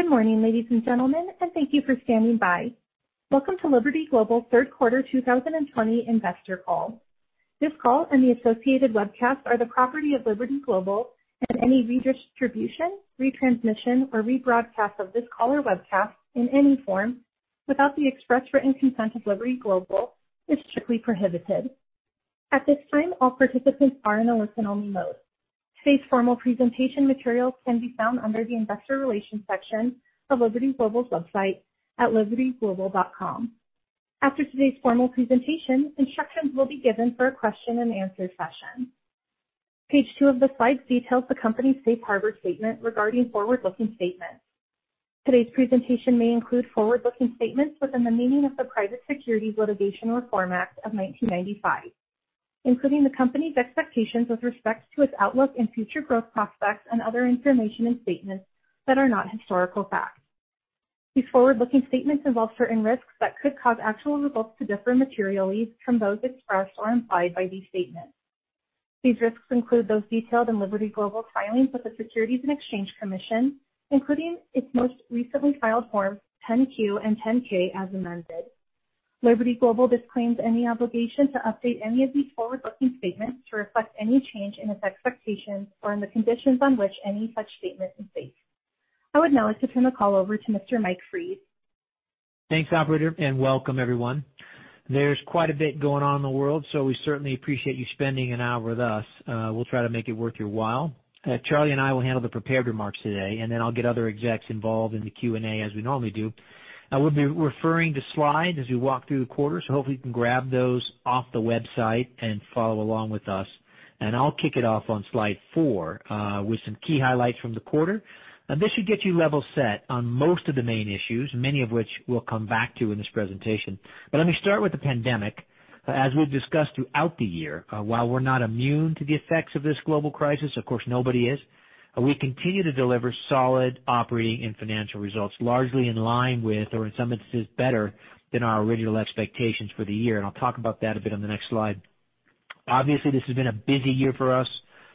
Good morning, ladies and gentlemen, and thank you for standing by. Welcome to Liberty Global's Third Quarter 2020 investor call. This call and the associated webcast are the property of Liberty Global, and any redistribution, retransmission, or rebroadcast of this call or webcast in any form without the express written consent of Liberty Global is strictly prohibited. At this time, all participants are in a listen-only mode. Today's formal presentation materials can be found under the investor relations section of Liberty Global's website at libertyglobal.com. After today's formal presentation, instructions will be given for a question-and-answer session. Page two of the slides details the company's safe harbor statement regarding forward-looking statements. Today's presentation may include forward-looking statements within the meaning of the Private Securities Litigation Reform Act of 1995, including the company's expectations with respect to its outlook and future growth prospects and other information and statements that are not historical facts. These forward-looking statements involve certain risks that could cause actual results to differ materially from those expressed or implied by these statements. These risks include those detailed in Liberty Global's filings with the Securities and Exchange Commission, including its most recently filed Forms 10-Q and 10-K as amended. Liberty Global disclaims any obligation to update any of these forward-looking statements to reflect any change in its expectations or in the conditions on which any such statement is based. I would now like to turn the call over to Mr. Mike Fries. Thanks, operator, and welcome, everyone. There's quite a bit going on in the world, so we certainly appreciate you spending an hour with us. We'll try to make it worth your while. Charlie and I will handle the prepared remarks today, and then I'll get other execs involved in the Q&A as we normally do. We'll be referring to slides as we walk through the quarter, so hopefully you can grab those off the website and follow along with us. And I'll kick it off on slide four with some key highlights from the quarter. This should get you level set on most of the main issues, many of which we'll come back to in this presentation, but let me start with the pandemic. As we've discussed throughout the year, while we're not immune to the effects of this global crisis, of course nobody is, we continue to deliver solid operating and financial results, largely in line with, or in some instances better than our original expectations for the year, and I'll talk about that a bit on the next slide. Obviously, this has been a busy year for us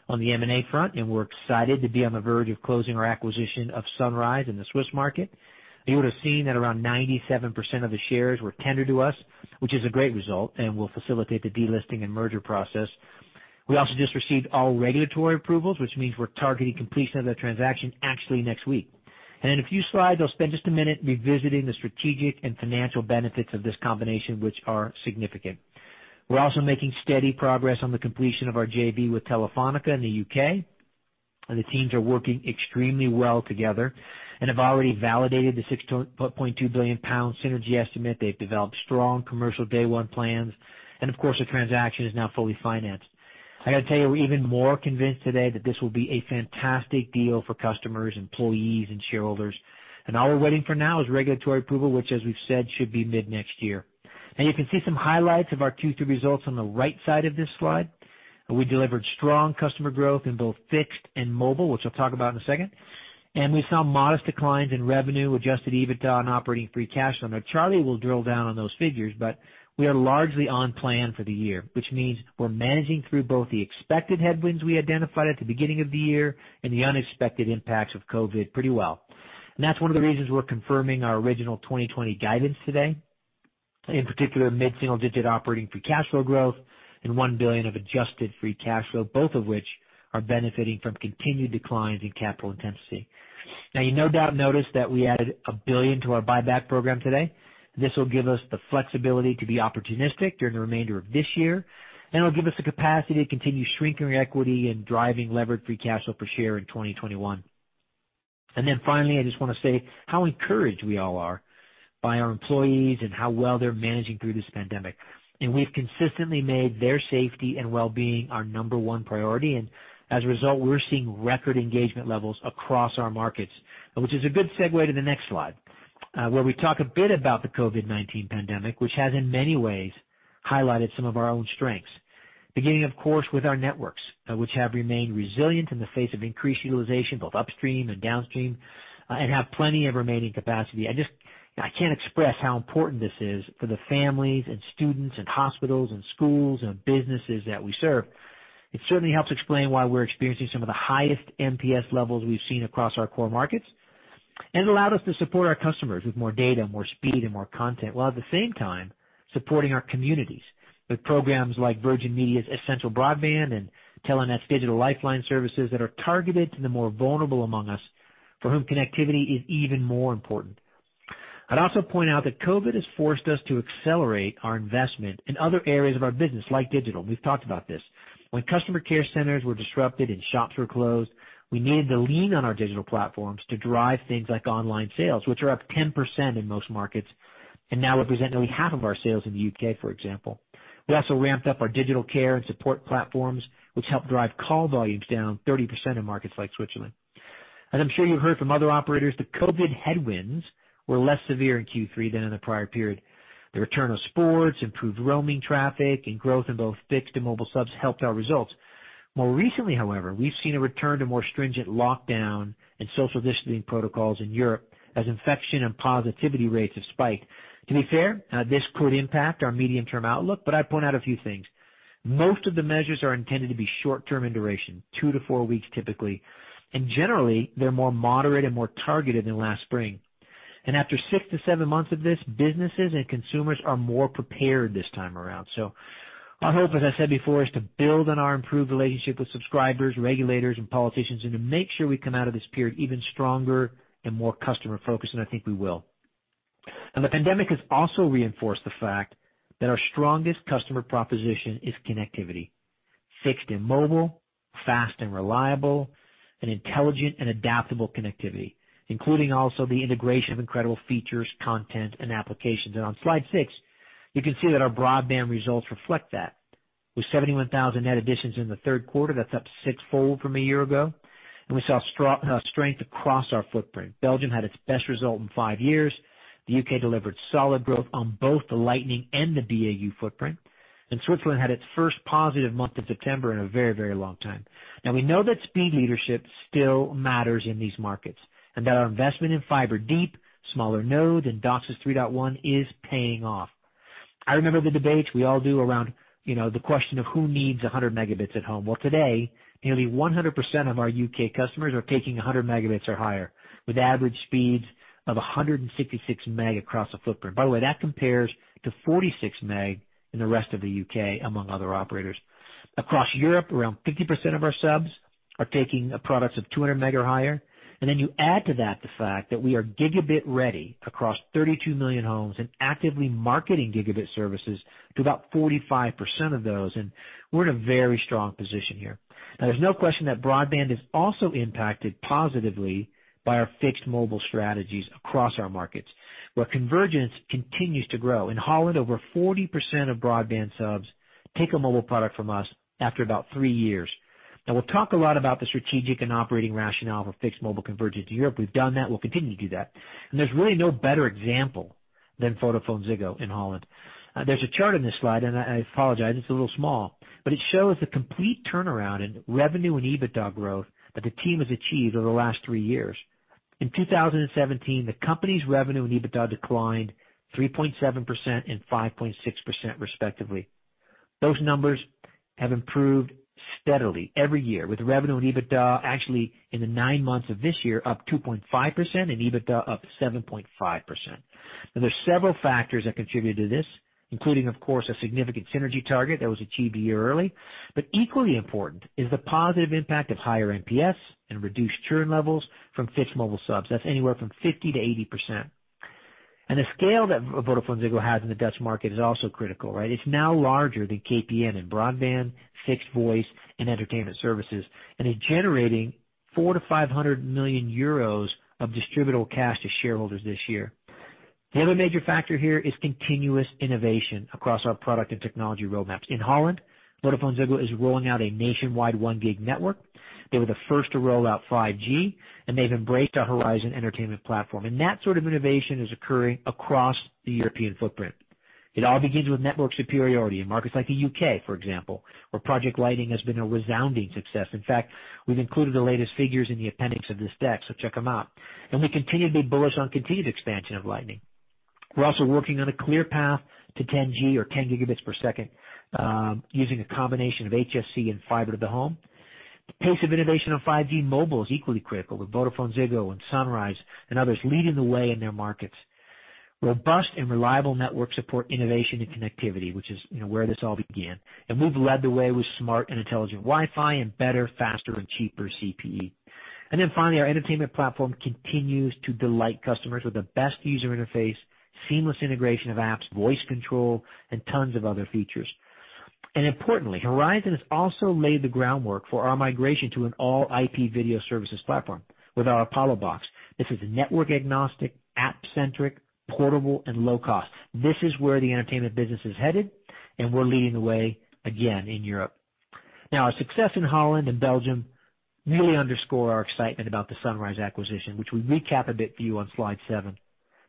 on the M&A front, and we're excited to be on the verge of closing our acquisition of Sunrise in the Swiss market. You would have seen that around 97% of the shares were tendered to us, which is a great result and will facilitate the delisting and merger process. We also just received all regulatory approvals, which means we're targeting completion of that transaction actually next week. In a few slides, I'll spend just a minute revisiting the strategic and financial benefits of this combination, which are significant. We're also making steady progress on the completion of our JV with Telefónica in the U.K. The teams are working extremely well together and have already validated the 6.2 billion pound synergy estimate. They've developed strong commercial day-one plans. And of course, the transaction is now fully financed. I got to tell you, we're even more convinced today that this will be a fantastic deal for customers, employees, and shareholders. All we're waiting for now is regulatory approval, which, as we've said, should be mid-next year. Now, you can see some highlights of our Q3 results on the right side of this slide. We delivered strong customer growth in both fixed and mobile, which I'll talk about in a second. We saw modest declines in revenue, Adjusted EBITDA, and Operating Free Cash Flow. Now, Charlie will drill down on those figures, but we are largely on plan for the year, which means we're managing through both the expected headwinds we identified at the beginning of the year and the unexpected impacts of COVID pretty well. And that's one of the reasons we're confirming our original 2020 guidance today, in particular, mid-single-digit Operating Free Cash Flow growth and 1 billion of Adjusted Free Cash Flow, both of which are benefiting from continued declines in capital intensity. Now, you no doubt noticed that we added a billion to our buyback program today. This will give us the flexibility to be opportunistic during the remainder of this year, and it'll give us the capacity to continue shrinking our equity and driving levered free cash flow per share in 2021. And then finally, I just want to say how encouraged we all are by our employees and how well they're managing through this pandemic. And we've consistently made their safety and well-being our number one priority. And as a result, we're seeing record engagement levels across our markets, which is a good segue to the next slide, where we talk a bit about the COVID-19 pandemic, which has in many ways highlighted some of our own strengths, beginning, of course, with our networks, which have remained resilient in the face of increased utilization, both upstream and downstream, and have plenty of remaining capacity. I just, I can't express how important this is for the families and students and hospitals and schools and businesses that we serve. It certainly helps explain why we're experiencing some of the highest NPS levels we've seen across our core markets. And it allowed us to support our customers with more data, more speed, and more content, while at the same time supporting our communities with programs like Virgin Media's Essential Broadband and Telenet's Digital Lifeline services that are targeted to the more vulnerable among us, for whom connectivity is even more important. I'd also point out that COVID has forced us to accelerate our investment in other areas of our business, like digital. We've talked about this. When customer care centers were disrupted and shops were closed, we needed to lean on our digital platforms to drive things like online sales, which are up 10% in most markets and now represent nearly half of our sales in the UK, for example. We also ramped up our digital care and support platforms, which helped drive call volumes down 30% in markets like Switzerland. As I'm sure you've heard from other operators, the COVID headwinds were less severe in Q3 than in the prior period. The return of sports, improved roaming traffic, and growth in both fixed and mobile subs helped our results. More recently, however, we've seen a return to more stringent lockdown and social distancing protocols in Europe as infection and positivity rates have spiked. To be fair, this could impact our medium-term outlook, but I'd point out a few things. Most of the measures are intended to be short-term in duration, two to four weeks typically, and generally, they're more moderate and more targeted than last spring, and after six to seven months of this, businesses and consumers are more prepared this time around. Our hope, as I said before, is to build on our improved relationship with subscribers, regulators, and politicians and to make sure we come out of this period even stronger and more customer-focused, and I think we will. The pandemic has also reinforced the fact that our strongest customer proposition is connectivity: fixed and mobile, fast and reliable, and intelligent and adaptable connectivity, including also the integration of incredible features, content, and applications. On slide six, you can see that our broadband results reflect that. With 71,000 net additions in the third quarter, that's up sixfold from a year ago. We saw strength across our footprint. Belgium had its best result in five years. The U.K. delivered solid growth on both the Lightning and the BAU footprint. Switzerland had its first positive month in September in a very, very long time. Now, we know that speed leadership still matters in these markets and that our investment in fiber deep, smaller nodes, and DOCSIS 3.1 is paying off. I remember the debates we all do around the question of who needs 100 megabits at home. Well, today, nearly 100% of our U.K. customers are taking 100 megabits or higher, with average speeds of 166 meg across the footprint. By the way, that compares to 46 meg in the rest of the U.K., among other operators. Across Europe, around 50% of our subs are taking products of 200 meg or higher. And then you add to that the fact that we are gigabit-ready across 32 million homes and actively marketing gigabit services to about 45% of those, and we're in a very strong position here. Now, there's no question that broadband is also impacted positively by our fixed mobile strategies across our markets, where convergence continues to grow. In Holland, over 40% of broadband subs take a mobile product from us after about three years. Now, we'll talk a lot about the strategic and operating rationale for fixed mobile convergence in Europe. We've done that. We'll continue to do that. And there's really no better example than VodafoneZiggo in Holland. There's a chart on this slide, and I apologize. It's a little small, but it shows the complete turnaround in revenue and EBITDA growth that the team has achieved over the last three years. In 2017, the company's revenue and EBITDA declined 3.7% and 5.6%, respectively. Those numbers have improved steadily every year, with revenue and EBITDA actually in the nine months of this year up 2.5% and EBITDA up 7.5%. Now, there are several factors that contribute to this, including, of course, a significant synergy target that was achieved a year early. But equally important is the positive impact of higher NPS and reduced churn levels from fixed mobile subs. That's anywhere from 50%-80%. And the scale that VodafoneZiggo has in the Dutch market is also critical, right? It's now larger than KPN in broadband, fixed voice, and entertainment services, and is generating 400 million-500 million euros of distributable cash to shareholders this year. The other major factor here is continuous innovation across our product and technology roadmaps. In Holland, VodafoneZiggo is rolling out a nationwide 1 gig network. They were the first to roll out 5G, and they've embraced a Horizon entertainment platform. And that sort of innovation is occurring across the European footprint. It all begins with network superiority in markets like the UK, for example, where Project Lightning has been a resounding success. In fact, we've included the latest figures in the appendix of this deck, so check them out. And we continue to be bullish on continued expansion of Lightning. We're also working on a clear path to 10G or 10 gigabits per second using a combination of HFC and fiber to the home. The pace of innovation on 5G mobile is equally critical, with VodafoneZiggo and Sunrise and others leading the way in their markets. Robust and reliable network support innovation and connectivity, which is where this all began. And we've led the way with smart and intelligent Wi-Fi and better, faster, and cheaper CPE. And then finally, our entertainment platform continues to delight customers with the best user interface, seamless integration of apps, voice control, and tons of other features. And importantly, Horizon has also laid the groundwork for our migration to an all-IP video services platform with our Apollo Box. This is network-agnostic, app-centric, portable, and low cost. This is where the entertainment business is headed, and we're leading the way again in Europe. Now, our success in Holland and Belgium really underscores our excitement about the Sunrise acquisition, which we recap a bit for you on slide seven.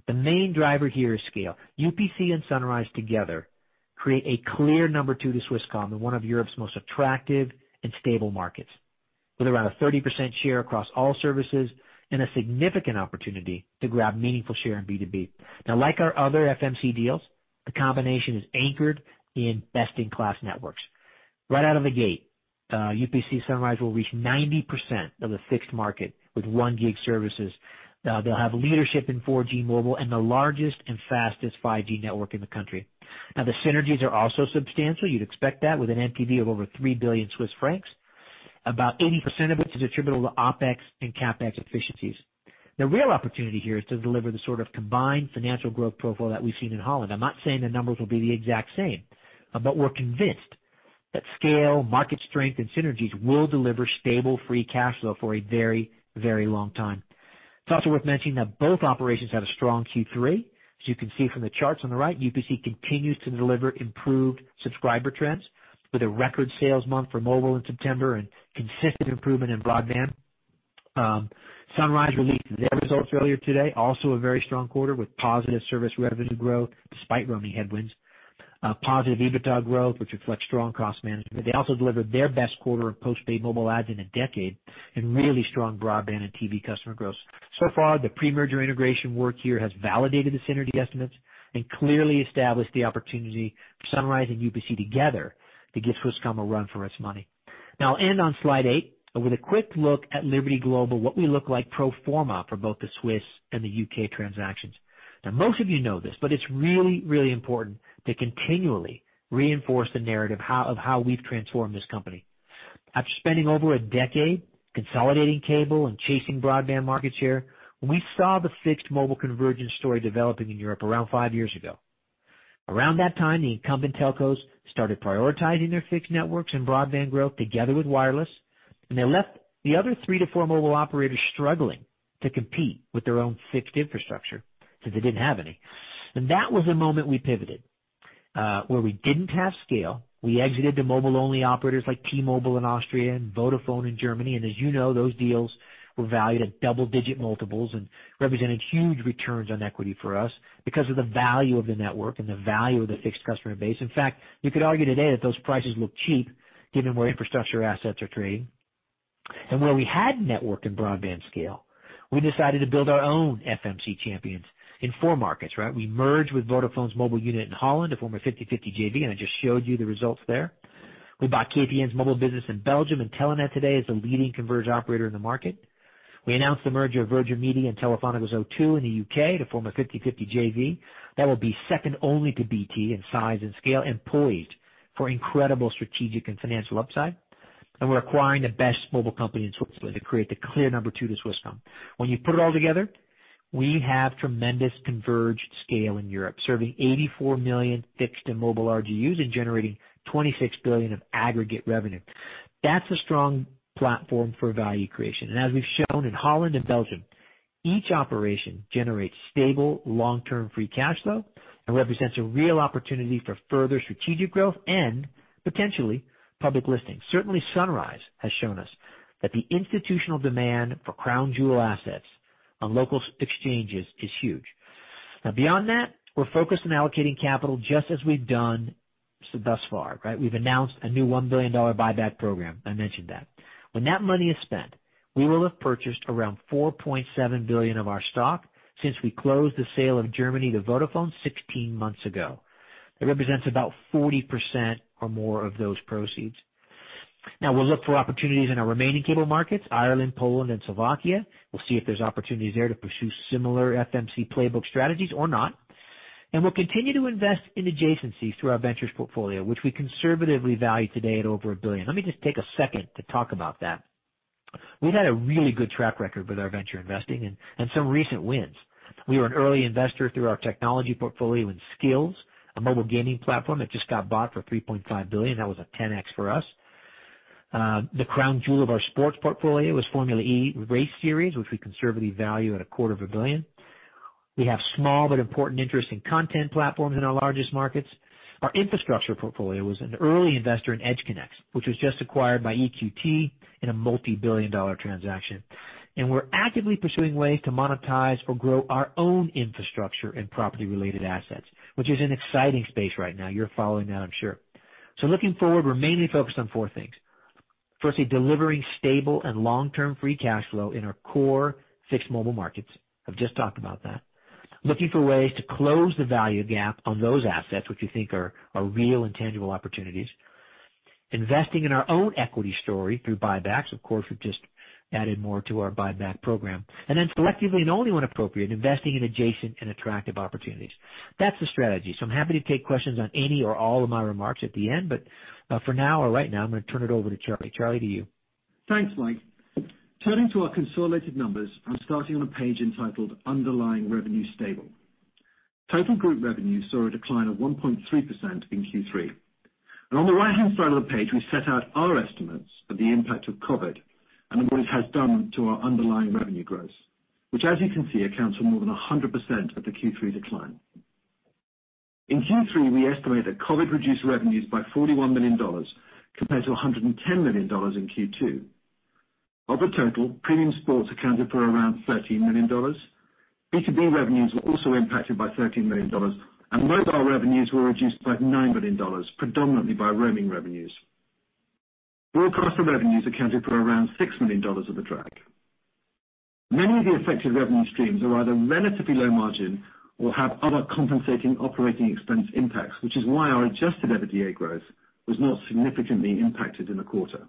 The main driver here is scale. UPC and Sunrise together create a clear number two to Swisscom and one of Europe's most attractive and stable markets, with around a 30% share across all services and a significant opportunity to grab meaningful share in B2B. Now, like our other FMC deals, the combination is anchored in best-in-class networks. Right out of the gate, UPC Sunrise will reach 90% of the fixed market with 1 gig services. They'll have leadership in 4G mobile and the largest and fastest 5G network in the country. Now, the synergies are also substantial. You'd expect that with an NPV of over 3 billion Swiss francs, about 80% of which is attributable to OpEx and CapEx efficiencies. The real opportunity here is to deliver the sort of combined financial growth profile that we've seen in Holland. I'm not saying the numbers will be the exact same, but we're convinced that scale, market strength, and synergies will deliver stable free cash flow for a very, very long time. It's also worth mentioning that both operations had a strong Q3, as you can see from the charts on the right. UPC continues to deliver improved subscriber trends with a record sales month for mobile in September and consistent improvement in broadband. Sunrise released their results earlier today, also a very strong quarter with positive service revenue growth despite roaming headwinds, positive EBITDA growth, which reflects strong cost management. They also delivered their best quarter of postpaid mobile adds in a decade and really strong broadband and TV customer growth. So far, the pre-merger integration work here has validated the synergy estimates and clearly established the opportunity for Sunrise and UPC together to give Swisscom a run for its money. Now, I'll end on slide eight with a quick look at Liberty Global, what we look like pro forma for both the Swiss and the UK transactions. Now, most of you know this, but it's really, really important to continually reinforce the narrative of how we've transformed this company. After spending over a decade consolidating cable and chasing broadband market share, we saw the fixed mobile convergence story developing in Europe around five years ago. Around that time, the incumbent telcos started prioritizing their fixed networks and broadband growth together with wireless, and they left the other three to four mobile operators struggling to compete with their own fixed infrastructure since they didn't have any. And that was the moment we pivoted, where we didn't have scale. We exited to mobile-only operators like T-Mobile in Austria and Vodafone in Germany. And as you know, those deals were valued at double-digit multiples and represented huge returns on equity for us because of the value of the network and the value of the fixed customer base. In fact, you could argue today that those prices look cheap given where infrastructure assets are trading. And where we had network and broadband scale, we decided to build our own FMC champions in four markets, right? We merged with Vodafone's mobile unit in Holland to form a 50/50 JV, and I just showed you the results there. We bought KPN's mobile business in Belgium, and Telenet today is the leading converged operator in the market. We announced the merger of Virgin Media and Telefónica's O2 in the UK to form a 50/50 JV. That will be second only to BT in size and scale and poised for incredible strategic and financial upside. And we're acquiring the best mobile company in Switzerland to create the clear number two to Swisscom. When you put it all together, we have tremendous converged scale in Europe, serving 84 million fixed and mobile RGUs and generating $26 billion of aggregate revenue. That's a strong platform for value creation. And as we've shown in Holland and Belgium, each operation generates stable, long-term free cash flow and represents a real opportunity for further strategic growth and potentially public listing. Certainly, Sunrise has shown us that the institutional demand for crown jewel assets on local exchanges is huge. Now, beyond that, we're focused on allocating capital just as we've done thus far, right? We've announced a new $1 billion buyback program. I mentioned that. When that money is spent, we will have purchased around $4.7 billion of our stock since we closed the sale of Germany to Vodafone 16 months ago. It represents about 40% or more of those proceeds. Now, we'll look for opportunities in our remaining cable markets, Ireland, Poland, and Slovakia. We'll see if there's opportunities there to pursue similar FMC playbook strategies or not. We'll continue to invest in adjacencies through our ventures portfolio, which we conservatively value today at over $1 billion. Let me just take a second to talk about that. We've had a really good track record with our venture investing and some recent wins. We were an early investor through our technology portfolio and Skillz, a mobile gaming platform that just got bought for $3.5 billion. That was a 10X for us. The crown jewel of our sports portfolio was Formula E race series, which we conservatively value at $250 million. We have small but important interest in content platforms in our largest markets. Our infrastructure portfolio was an early investor in EdgeConneX, which was just acquired by EQT in a multi-billion dollar transaction. We're actively pursuing ways to monetize or grow our own infrastructure and property-related assets, which is an exciting space right now. You're following that, I'm sure. So looking forward, we're mainly focused on four things. Firstly, delivering stable and long-term free cash flow in our core fixed mobile markets. I've just talked about that. Looking for ways to close the value gap on those assets, which we think are real and tangible opportunities. Investing in our own equity story through buybacks. Of course, we've just added more to our buyback program. And then selectively and only when appropriate, investing in adjacent and attractive opportunities. That's the strategy. So I'm happy to take questions on any or all of my remarks at the end, but for now or right now, I'm going to turn it over to Charlie. Charlie, to you. Thanks, Mike. Turning to our consolidated numbers, I'm starting on a page entitled Underlying Revenue Stable. Total group revenue saw a decline of 1.3% in Q3. On the right-hand side of the page, we set out our estimates of the impact of COVID and what it has done to our underlying revenue growth, which, as you can see, accounts for more than 100% of the Q3 decline. In Q3, we estimated that COVID reduced revenues by $41 million compared to $110 million in Q2. Of the total, premium sports accounted for around $13 million. B2B revenues were also impacted by $13 million, and mobile revenues were reduced by $9 million, predominantly by roaming revenues. Broadcaster revenues accounted for around $6 million of the drag. Many of the affected revenue streams are either relatively low margin or have other compensating operating expense impacts, which is why our Adjusted EBITDA growth was not significantly impacted in the quarter.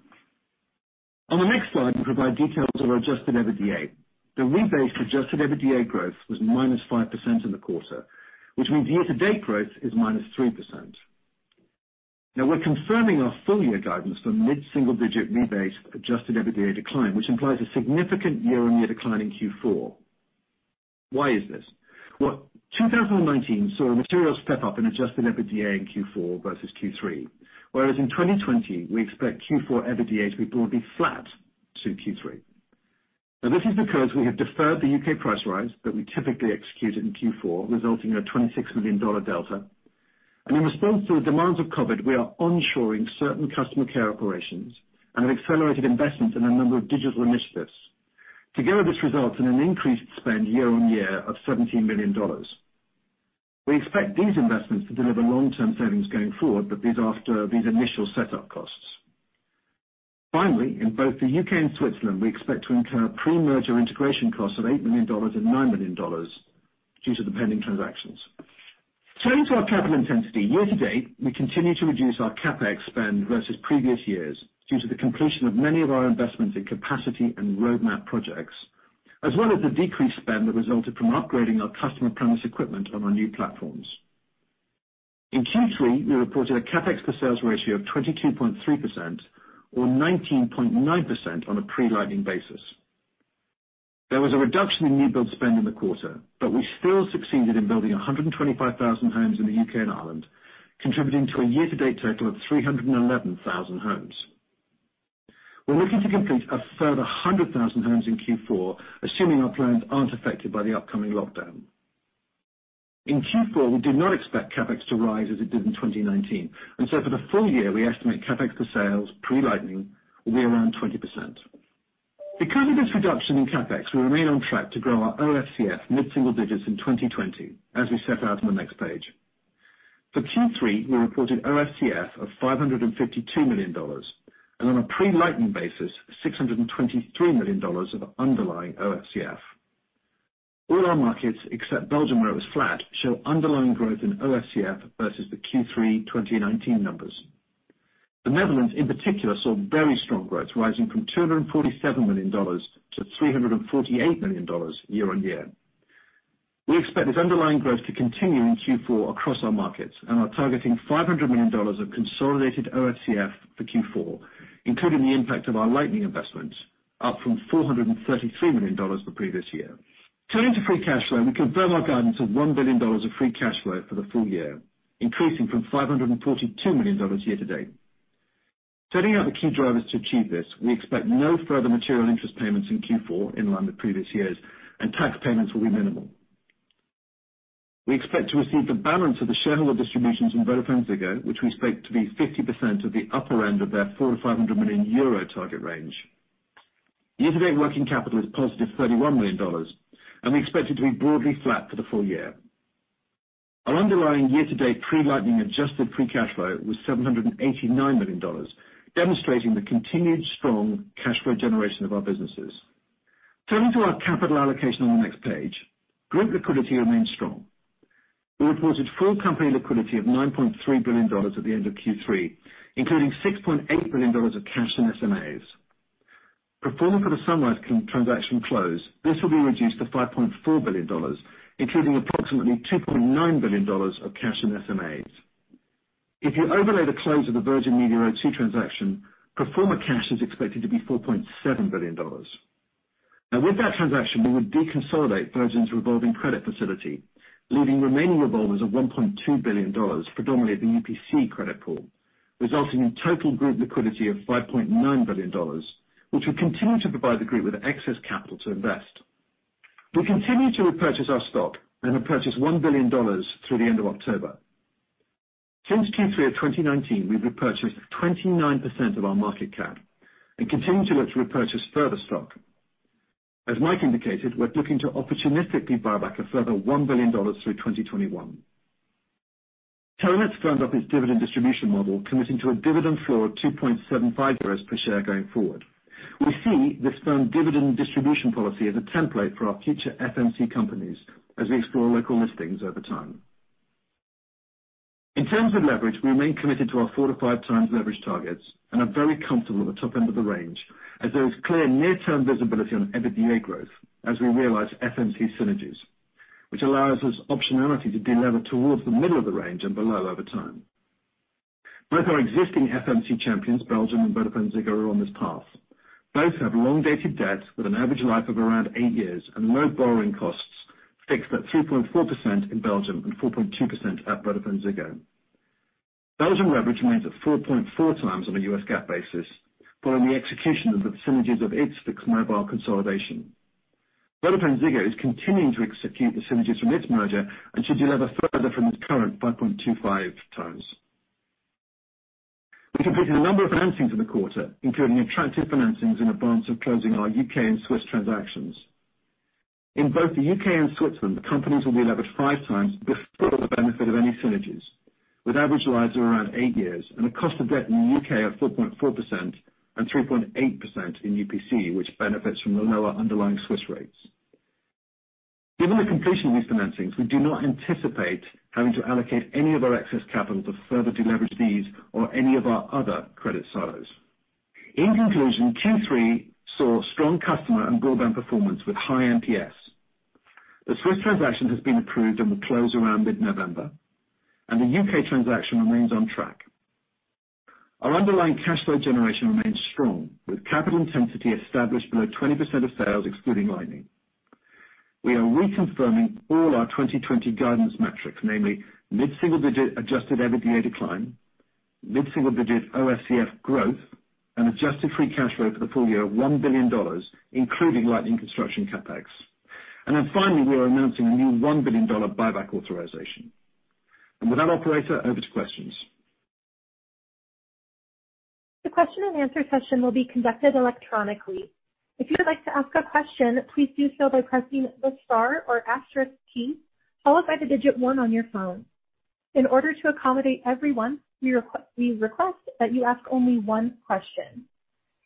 On the next slide, we provide details of our Adjusted EBITDA. The Rebased Adjusted EBITDA growth was minus 5% in the quarter, which means year-to-date growth is minus 3%. Now, we're confirming our full-year guidance for mid-single-digit Rebased Adjusted EBITDA decline, which implies a significant year-on-year decline in Q4. Why is this? Well, 2019 saw a material step up in Adjusted EBITDA in Q4 versus Q3, whereas in 2020, we expect Q4 EBITDA to be broadly flat through Q3. Now, this is because we have deferred the UK price rise that we typically execute in Q4, resulting in a $26 million delta. And in response to the demands of COVID, we are onshoring certain customer care operations and have accelerated investments in a number of digital initiatives. Together, this results in an increased spend year-on-year of $17 million. We expect these investments to deliver long-term savings going forward, but these are after these initial setup costs. Finally, in both the UK and Switzerland, we expect to incur pre-merger integration costs of $8 million and $9 million due to the pending transactions. Turning to our capital intensity, year-to-date, we continue to reduce our CapEx spend versus previous years due to the completion of many of our investments in capacity and roadmap projects, as well as the decreased spend that resulted from upgrading our customer premises equipment on our new platforms. In Q3, we reported a CapEx-to-sales ratio of 22.3% or 19.9% on a pre-Lightning basis. There was a reduction in new build spend in the quarter, but we still succeeded in building 125,000 homes in the UK and Ireland, contributing to a year-to-date total of 311,000 homes. We're looking to complete a further 100,000 homes in Q4, assuming our plans aren't affected by the upcoming lockdown. In Q4, we did not expect CapEx to rise as it did in 2019, and so for the full year, we estimate CapEx-to-sales pre-Lightning will be around 20%. Because of this reduction in CapEx, we remain on track to grow our OFCF mid-single digits in 2020, as we set out on the next page. For Q3, we reported OFCF of $552 million and, on a pre-Lightning basis, $623 million of underlying OFCF. All our markets, except Belgium, where it was flat, show underlying growth in OFCF versus the Q3 2019 numbers. The Netherlands, in particular, saw very strong growth, rising from $247 million to $348 million year-on-year. We expect this underlying growth to continue in Q4 across our markets, and we're targeting $500 million of consolidated OFCF for Q4, including the impact of our Lightning investments, up from $433 million the previous year. Turning to free cash flow, we confirm our guidance of $1 billion of free cash flow for the full year, increasing from $542 million year-to-date. Turning to the key drivers to achieve this, we expect no further material interest payments in Q4 in line with previous years, and tax payments will be minimal. We expect to receive the balance of the shareholder distributions from VodafoneZiggo, which we expect to be 50% of the upper end of their 400 million-500 million euro target range. Year-to-date working capital is positive $31 million, and we expect it to be broadly flat for the full year. Our underlying year-to-date pre-Lightning Adjusted Free Cash Flow was $789 million, demonstrating the continued strong cash flow generation of our businesses. Turning to our capital allocation on the next page, group liquidity remains strong. We reported full company liquidity of $9.3 billion at the end of Q3, including $6.8 billion of cash and SMAs. Pending the Sunrise transaction close, this will be reduced to $5.4 billion, including approximately $2.9 billion of cash and SMAs. If you overlay the close of the Virgin Media O2 transaction, post-merger cash is expected to be $4.7 billion. Now, with that transaction, we would deconsolidate Virgin's revolving credit facility, leaving remaining revolvers of $1.2 billion, predominantly at the UPC credit pool, resulting in total group liquidity of $5.9 billion, which will continue to provide the group with excess capital to invest. We continue to repurchase our stock and have purchased $1 billion through the end of October. Since Q3 of 2019, we've repurchased 29% of our market cap and continue to look to repurchase further stock. As Mike indicated, we're looking to opportunistically buy back a further $1 billion through 2021. Telenet's firm dividend distribution model is committing to a dividend floor of 2.75 euros per share going forward. We see this firm's dividend distribution policy as a template for our future FMC companies as we explore local listings over time. In terms of leverage, we remain committed to our four to five times leverage targets and are very comfortable at the top end of the range, as there is clear near-term visibility on EBITDA growth as we realize FMC synergies, which allows us optionality to deliver towards the middle of the range and below over time. Both our existing FMC champions, Belgium and VodafoneZiggo, are on this path. Both have long-dated debt with an average life of around eight years and low borrowing costs fixed at 3.4% in Belgium and 4.2% at VodafoneZiggo. Belgium leverage remains at 4.4 times on a U.S. GAAP basis, following the execution of the synergies of its fixed mobile consolidation. VodafoneZiggo is continuing to execute the synergies from its merger and should deliver further from its current 5.25 times. We completed a number of financings in the quarter, including attractive financings in advance of closing our UK and Swiss transactions. In both the UK and Switzerland, the companies will be leveraged five times before the benefit of any synergies, with average lives of around eight years and a cost of debt in the U.K. of 4.4% and 3.8% in UPC, which benefits from the lower underlying Swiss rates. Given the completion of these financings, we do not anticipate having to allocate any of our excess capital to further deleverage these or any of our other credit silos. In conclusion, Q3 saw strong customer and broadband performance with high NPS. The Swiss transaction has been approved and will close around mid-November, and the UK transaction remains on track. Our underlying cash flow generation remains strong, with capital intensity established below 20% of sales, excluding Lightning. We are reconfirming all our 2020 guidance metrics, namely mid-single digit adjusted EBITDA decline, mid-single digit OFCF growth, and Adjusted Free Cash Flow for the full year of $1 billion, including Lightning construction CapEx. And then finally, we are announcing a new $1 billion buyback authorization. And with that, operator, over to questions. The question-and-answer session will be conducted electronically. If you would like to ask a question, please do so by pressing the star or asterisk key followed by the digit one on your phone. In order to accommodate everyone, we request that you ask only one question.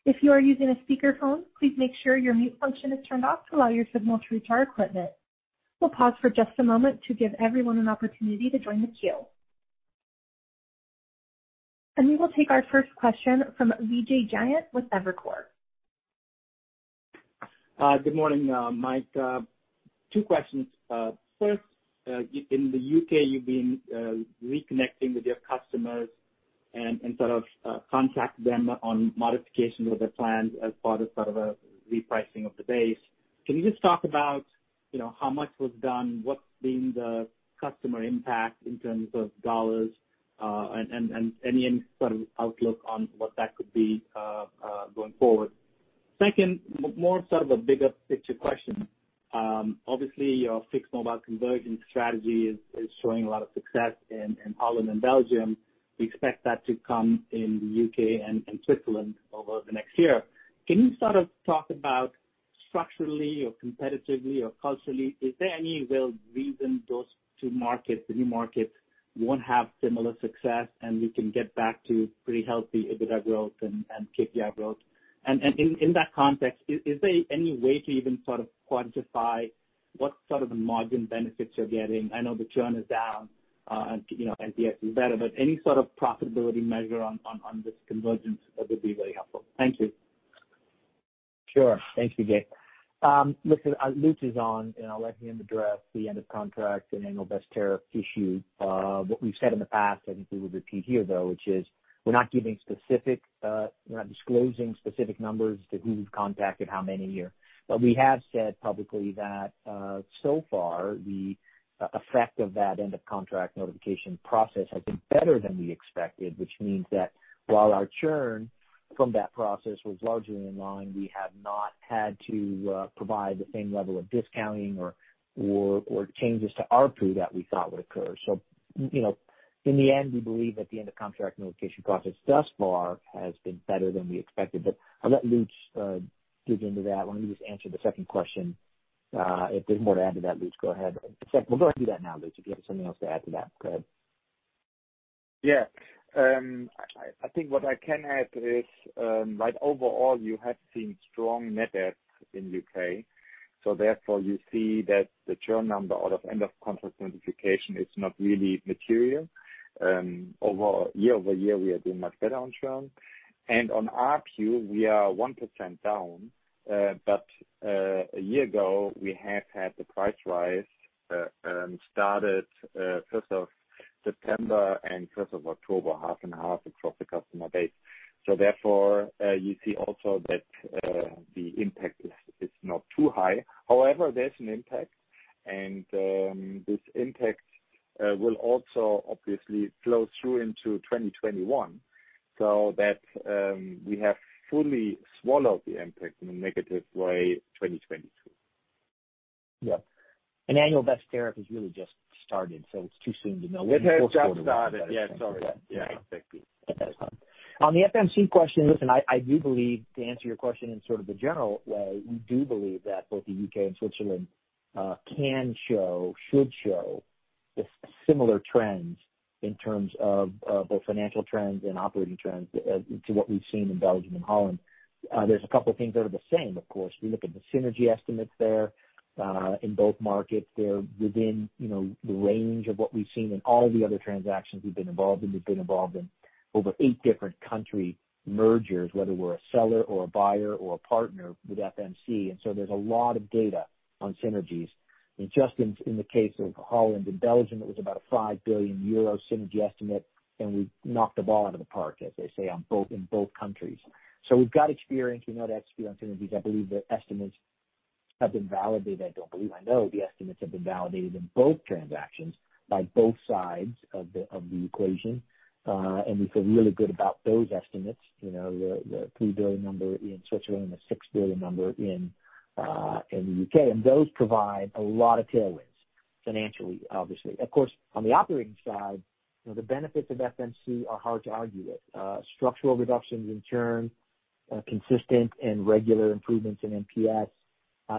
If you are using a speakerphone, please make sure your mute function is turned off to allow your signal to reach our equipment. We'll pause for just a moment to give everyone an opportunity to join the queue, and we will take our first question from Vijay Jayant with Evercore ISI. Good morning, Mike. Two questions. First, in the UK, you've been reconnecting with your customers and sort of contacting them on modifications of their plans as part of sort of a repricing of the base. Can you just talk about how much was done, what's been the customer impact in terms of dollars, and any sort of outlook on what that could be going forward? Second, more sort of a bigger picture question. Obviously, your fixed-mobile convergence strategy is showing a lot of success in Holland and Belgium. We expect that to come in the UK and Switzerland over the next year. Can you sort of talk about structurally or competitively or culturally, is there any real reason those two markets, the new markets, won't have similar success and we can get back to pretty healthy EBITDA growth and KPI growth? And in that context, is there any way to even sort of quantify what sort of margin benefits you're getting? I know the churn is down and NPS is better, but any sort of profitability measure on this convergence would be very helpful. Thank you. Sure. Thank you, Jay. Listen, Lutz is on, and I'll let him address the End-of-Contract and Annual Best Tariff issue. What we've said in the past, I think we would repeat here, though, which is we're not disclosing specific numbers to who we've contacted, how many here. We have said publicly that so far, the effect of that End-of-Contract notification process has been better than we expected, which means that while our churn from that process was largely in line, we have not had to provide the same level of discounting or changes to our pool that we thought would occur, so in the end, we believe that the End-of-Contract notification process thus far has been better than we expected. I'll let Lutz dig into that. Let me just answer the second question. If there's more to add to that, Lutz, go ahead. Yeah. I think what I can add is, right overall, you have seen strong net adds in the UK. So therefore, you see that the churn number out of End-of-Contract notification is not really material. Year-over-year, we are doing much better on churn. And on our churn, we are 1% down, but a year ago, we have had the price rise started 1st of September and 1st of October, half and half across the customer base. So therefore, you see also that the impact is not too high. However, there's an impact, and this impact will also obviously flow through into 2021 so that we have fully swallowed the impact in a negative way 2022. Yeah. And annual best tariff has really just started, so it's too soon to know. It has just started. Yeah, sorry. Yeah, exactly. On the FMC question, listen, I do believe, to answer your question in sort of the general way, we do believe that both the UK and Switzerland can show, should show, similar trends in terms of both financial trends and operating trends to what we've seen in Belgium and Holland. There's a couple of things that are the same, of course. We look at the synergy estimates there in both markets. They're within the range of what we've seen in all the other transactions we've been involved in. We've been involved in over eight different country mergers, whether we're a seller or a buyer or a partner with FMC. And so there's a lot of data on synergies. And just in the case of Holland and Belgium, it was about a 5 billion euro synergy estimate, and we knocked the ball out of the park, as they say, in both countries. We've got experience. We know that experience in these. I believe the estimates have been validated. I don't believe I know the estimates have been validated in both transactions by both sides of the equation, and we feel really good about those estimates, the 3 billion number in Switzerland and the 6 billion number in the UK. Those provide a lot of tailwinds financially, obviously. Of course, on the operating side, the benefits of FMC are hard to argue with. Structural reductions in churn, consistent and regular improvements in NPS.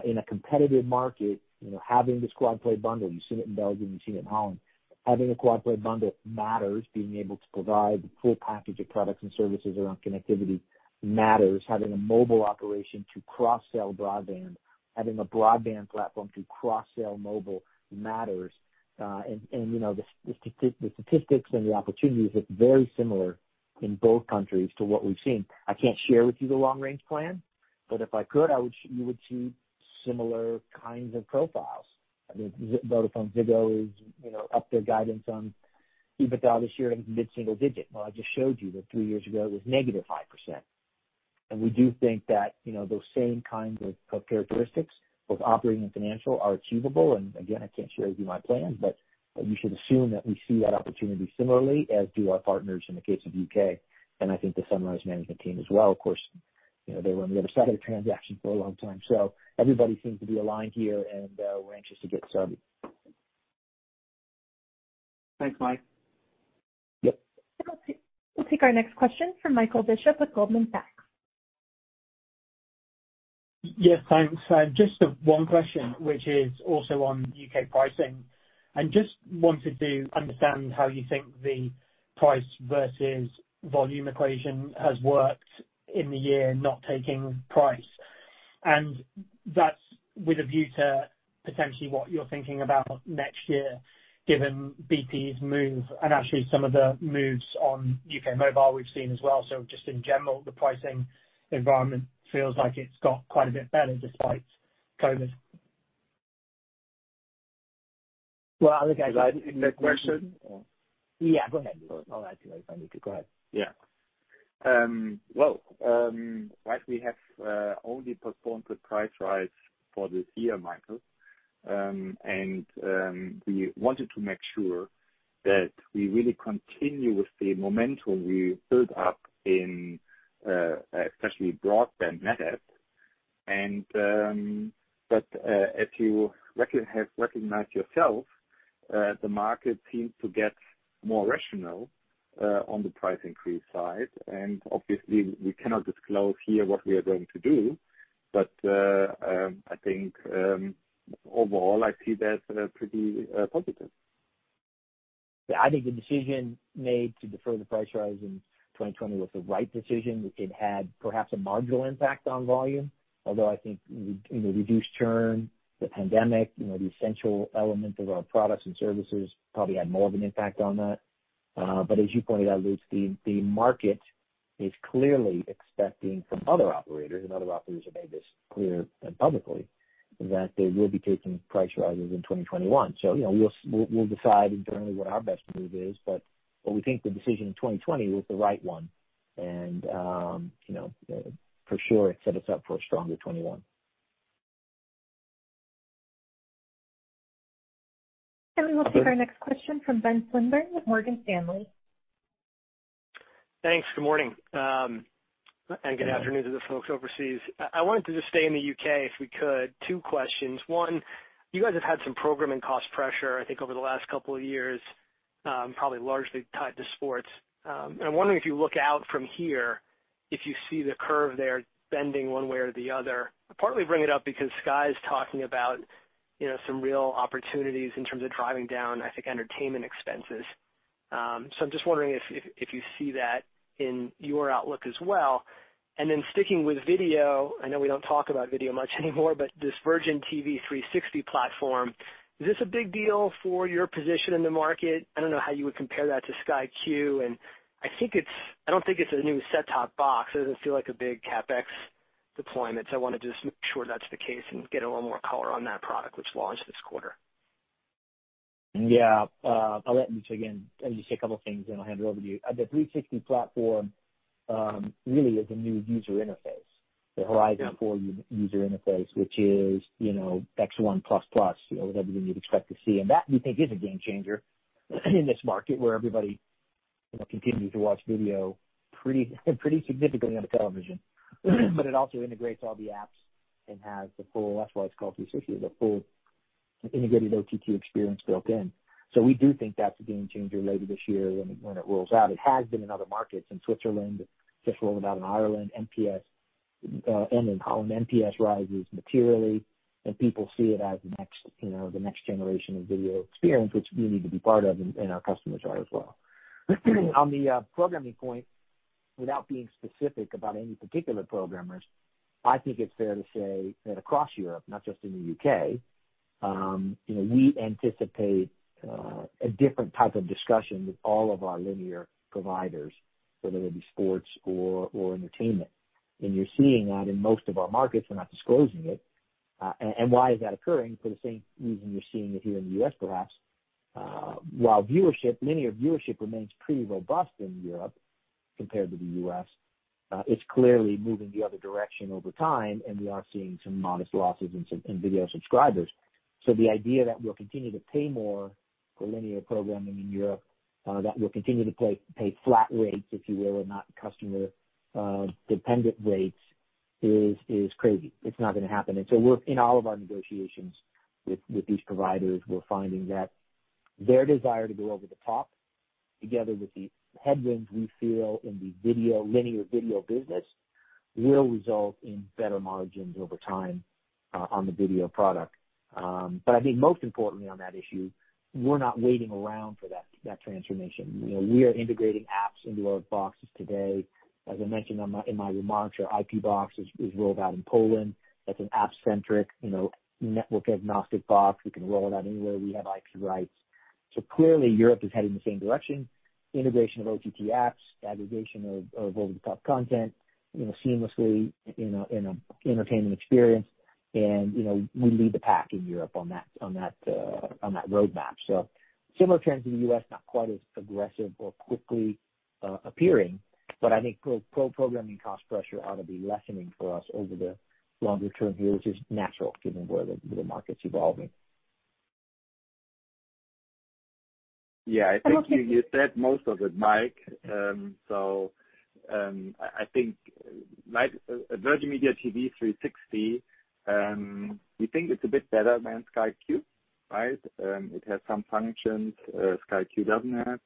In a competitive market, having this quad-play bundle, you've seen it in Belgium, you've seen it in Holland, having a quad-play bundle matters. Being able to provide the full package of products and services around connectivity matters. Having a mobile operation to cross-sell broadband, having a broadband platform to cross-sell mobile matters. And the statistics and the opportunities look very similar in both countries to what we've seen. I can't share with you the long-range plan, but if I could, you would see similar kinds of profiles. I mean, VodafoneZiggo is up their guidance on EBITDA this year at mid-single-digit. Well, I just showed you that three years ago, it was negative 5%. And we do think that those same kinds of characteristics, both operating and financial, are achievable. And again, I can't share with you my plans, but you should assume that we see that opportunity similarly, as do our partners in the case of the U.K., and I think the Sunrise management team as well. Of course, they were on the other side of the transaction for a long time. So everybody seems to be aligned here, and we're anxious to get started. Thanks, Mike. Yep. We'll take our next question from Michael Bishop with Goldman Sachs. Yes. Just one question, which is also on UK pricing. I just wanted to understand how you think the price versus volume equation has worked in the year not taking price. And that's with a view to potentially what you're thinking about next year, given BT's move and actually some of the moves on UK mobile we've seen as well. So just in general, the pricing environment feels like it's got quite a bit better despite COVID. Well, I'll add a question. Yeah, go ahead. I'll add to it if I need to. Go ahead. Yeah. Well, right, we have only postponed the price rise for this year, Michael. And we wanted to make sure that we really continue with the momentum we built up in especially broadband net adds. But as you have recognized yourself, the market seems to get more rational on the price increase side. And obviously, we cannot disclose here what we are going to do, but I think overall, I see that as pretty positive. Yeah. I think the decision made to defer the price rise in 2020 was the right decision. It had perhaps a marginal impact on volume, although I think the reduced churn, the pandemic, the essential elements of our products and services probably had more of an impact on that. But as you pointed out, Lutz, the market is clearly expecting from other operators, and other operators have made this clear publicly, that they will be taking price rises in 2021. So we'll decide internally what our best move is, but we think the decision in 2020 was the right one. For sure, it set us up for a stronger 2021. We will take our next question from Ben Swinburne with Morgan Stanley. Thanks. Good morning. And good afternoon to the folks overseas. I wanted to just stay in the U.K. if we could. Two questions. One, you guys have had some programming cost pressure, I think, over the last couple of years, probably largely tied to sports. And I'm wondering if you look out from here, if you see the curve there bending one way or the other. I partly bring it up because Sky is talking about some real opportunities in terms of driving down, I think, entertainment expenses. So I'm just wondering if you see that in your outlook as well. And then sticking with video, I know we don't talk about video much anymore, but this Virgin TV 360 platform, is this a big deal for your position in the market? I don't know how you would compare that to Sky Q, and I don't think it's a new set-top box. It doesn't feel like a big CapEx deployment. So I wanted to just make sure that's the case and get a little more color on that product which launched this quarter. Yeah. I'll let Lutz again just say a couple of things, then I'll hand it over to you. The 360 platform really is a new user interface, the Horizon 4 UI, which is X1 plus plus, whatever you'd expect to see. And that, we think, is a game changer in this market where everybody continues to watch video pretty significantly on television. But it also integrates all the apps and has the full, that's why it's called 360, the full integrated OTT experience built in. So we do think that's a game changer later this year when it rolls out. It has been in other markets in Switzerland, just rolled out in Ireland, and in Holland, NPS rises materially, and people see it as the next generation of video experience, which we need to be part of, and our customers are as well. On the programming point, without being specific about any particular programmers, I think it's fair to say that across Europe, not just in the UK, we anticipate a different type of discussion with all of our linear providers, whether it be sports or entertainment. And you're seeing that in most of our markets. We're not disclosing it, and why is that occurring? For the same reason you're seeing it here in the U.S., perhaps. While linear viewership remains pretty robust in Europe compared to the U.S., it's clearly moving the other direction over time, and we are seeing some modest losses in video subscribers. So the idea that we'll continue to pay more for linear programming in Europe, that we'll continue to pay flat rates, if you will, and not customer-dependent rates, is crazy. It's not going to happen. And so in all of our negotiations with these providers, we're finding that their desire to go over the top, together with the headwinds we feel in the linear video business, will result in better margins over time on the video product. But I think most importantly on that issue, we're not waiting around for that transformation. We are integrating apps into our boxes today. As I mentioned in my remarks, our IP box is rolled out in Poland. That's an app-centric network-agnostic box. We can roll it out anywhere. We have IP rights. So clearly, Europe is heading in the same direction. Integration of OTT apps, aggregation of over-the-top content seamlessly in an entertainment experience, and we lead the pack in Europe on that roadmap. So similar trends in the U.S., not quite as aggressive or quickly appearing, but I think programming cost pressure ought to be lessening for us over the longer term here, which is natural given where the market's evolving. Yeah. I think you said most of it, Mike. So I think Virgin TV 360, we think it's a bit better than Sky Q, right? It has some functions Sky Q doesn't have.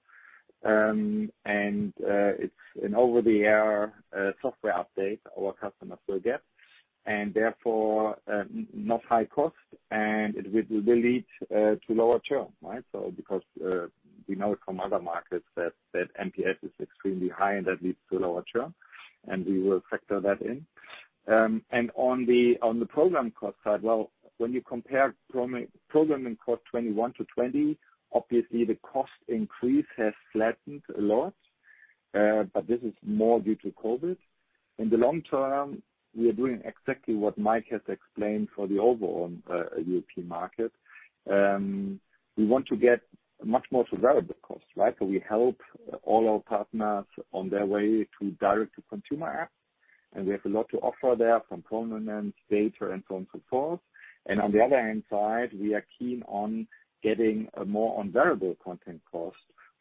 It's an over-the-air software update our customers will get, and therefore not high cost, and it will lead to lower churn, right? Because we know from other markets that NPS is extremely high, and that leads to lower churn, and we will factor that in. On the programming cost side, well, when you compare programming cost 2021 to 2020, obviously, the cost increase has flattened a lot, but this is more due to COVID. In the long term, we are doing exactly what Mike has explained for the overall UK market. We want to get much more to variable cost, right? We help all our partners on their way to direct-to-consumer apps, and we have a lot to offer there from prominence, data, and so on and so forth. And on the other hand side, we are keen on getting more on variable content cost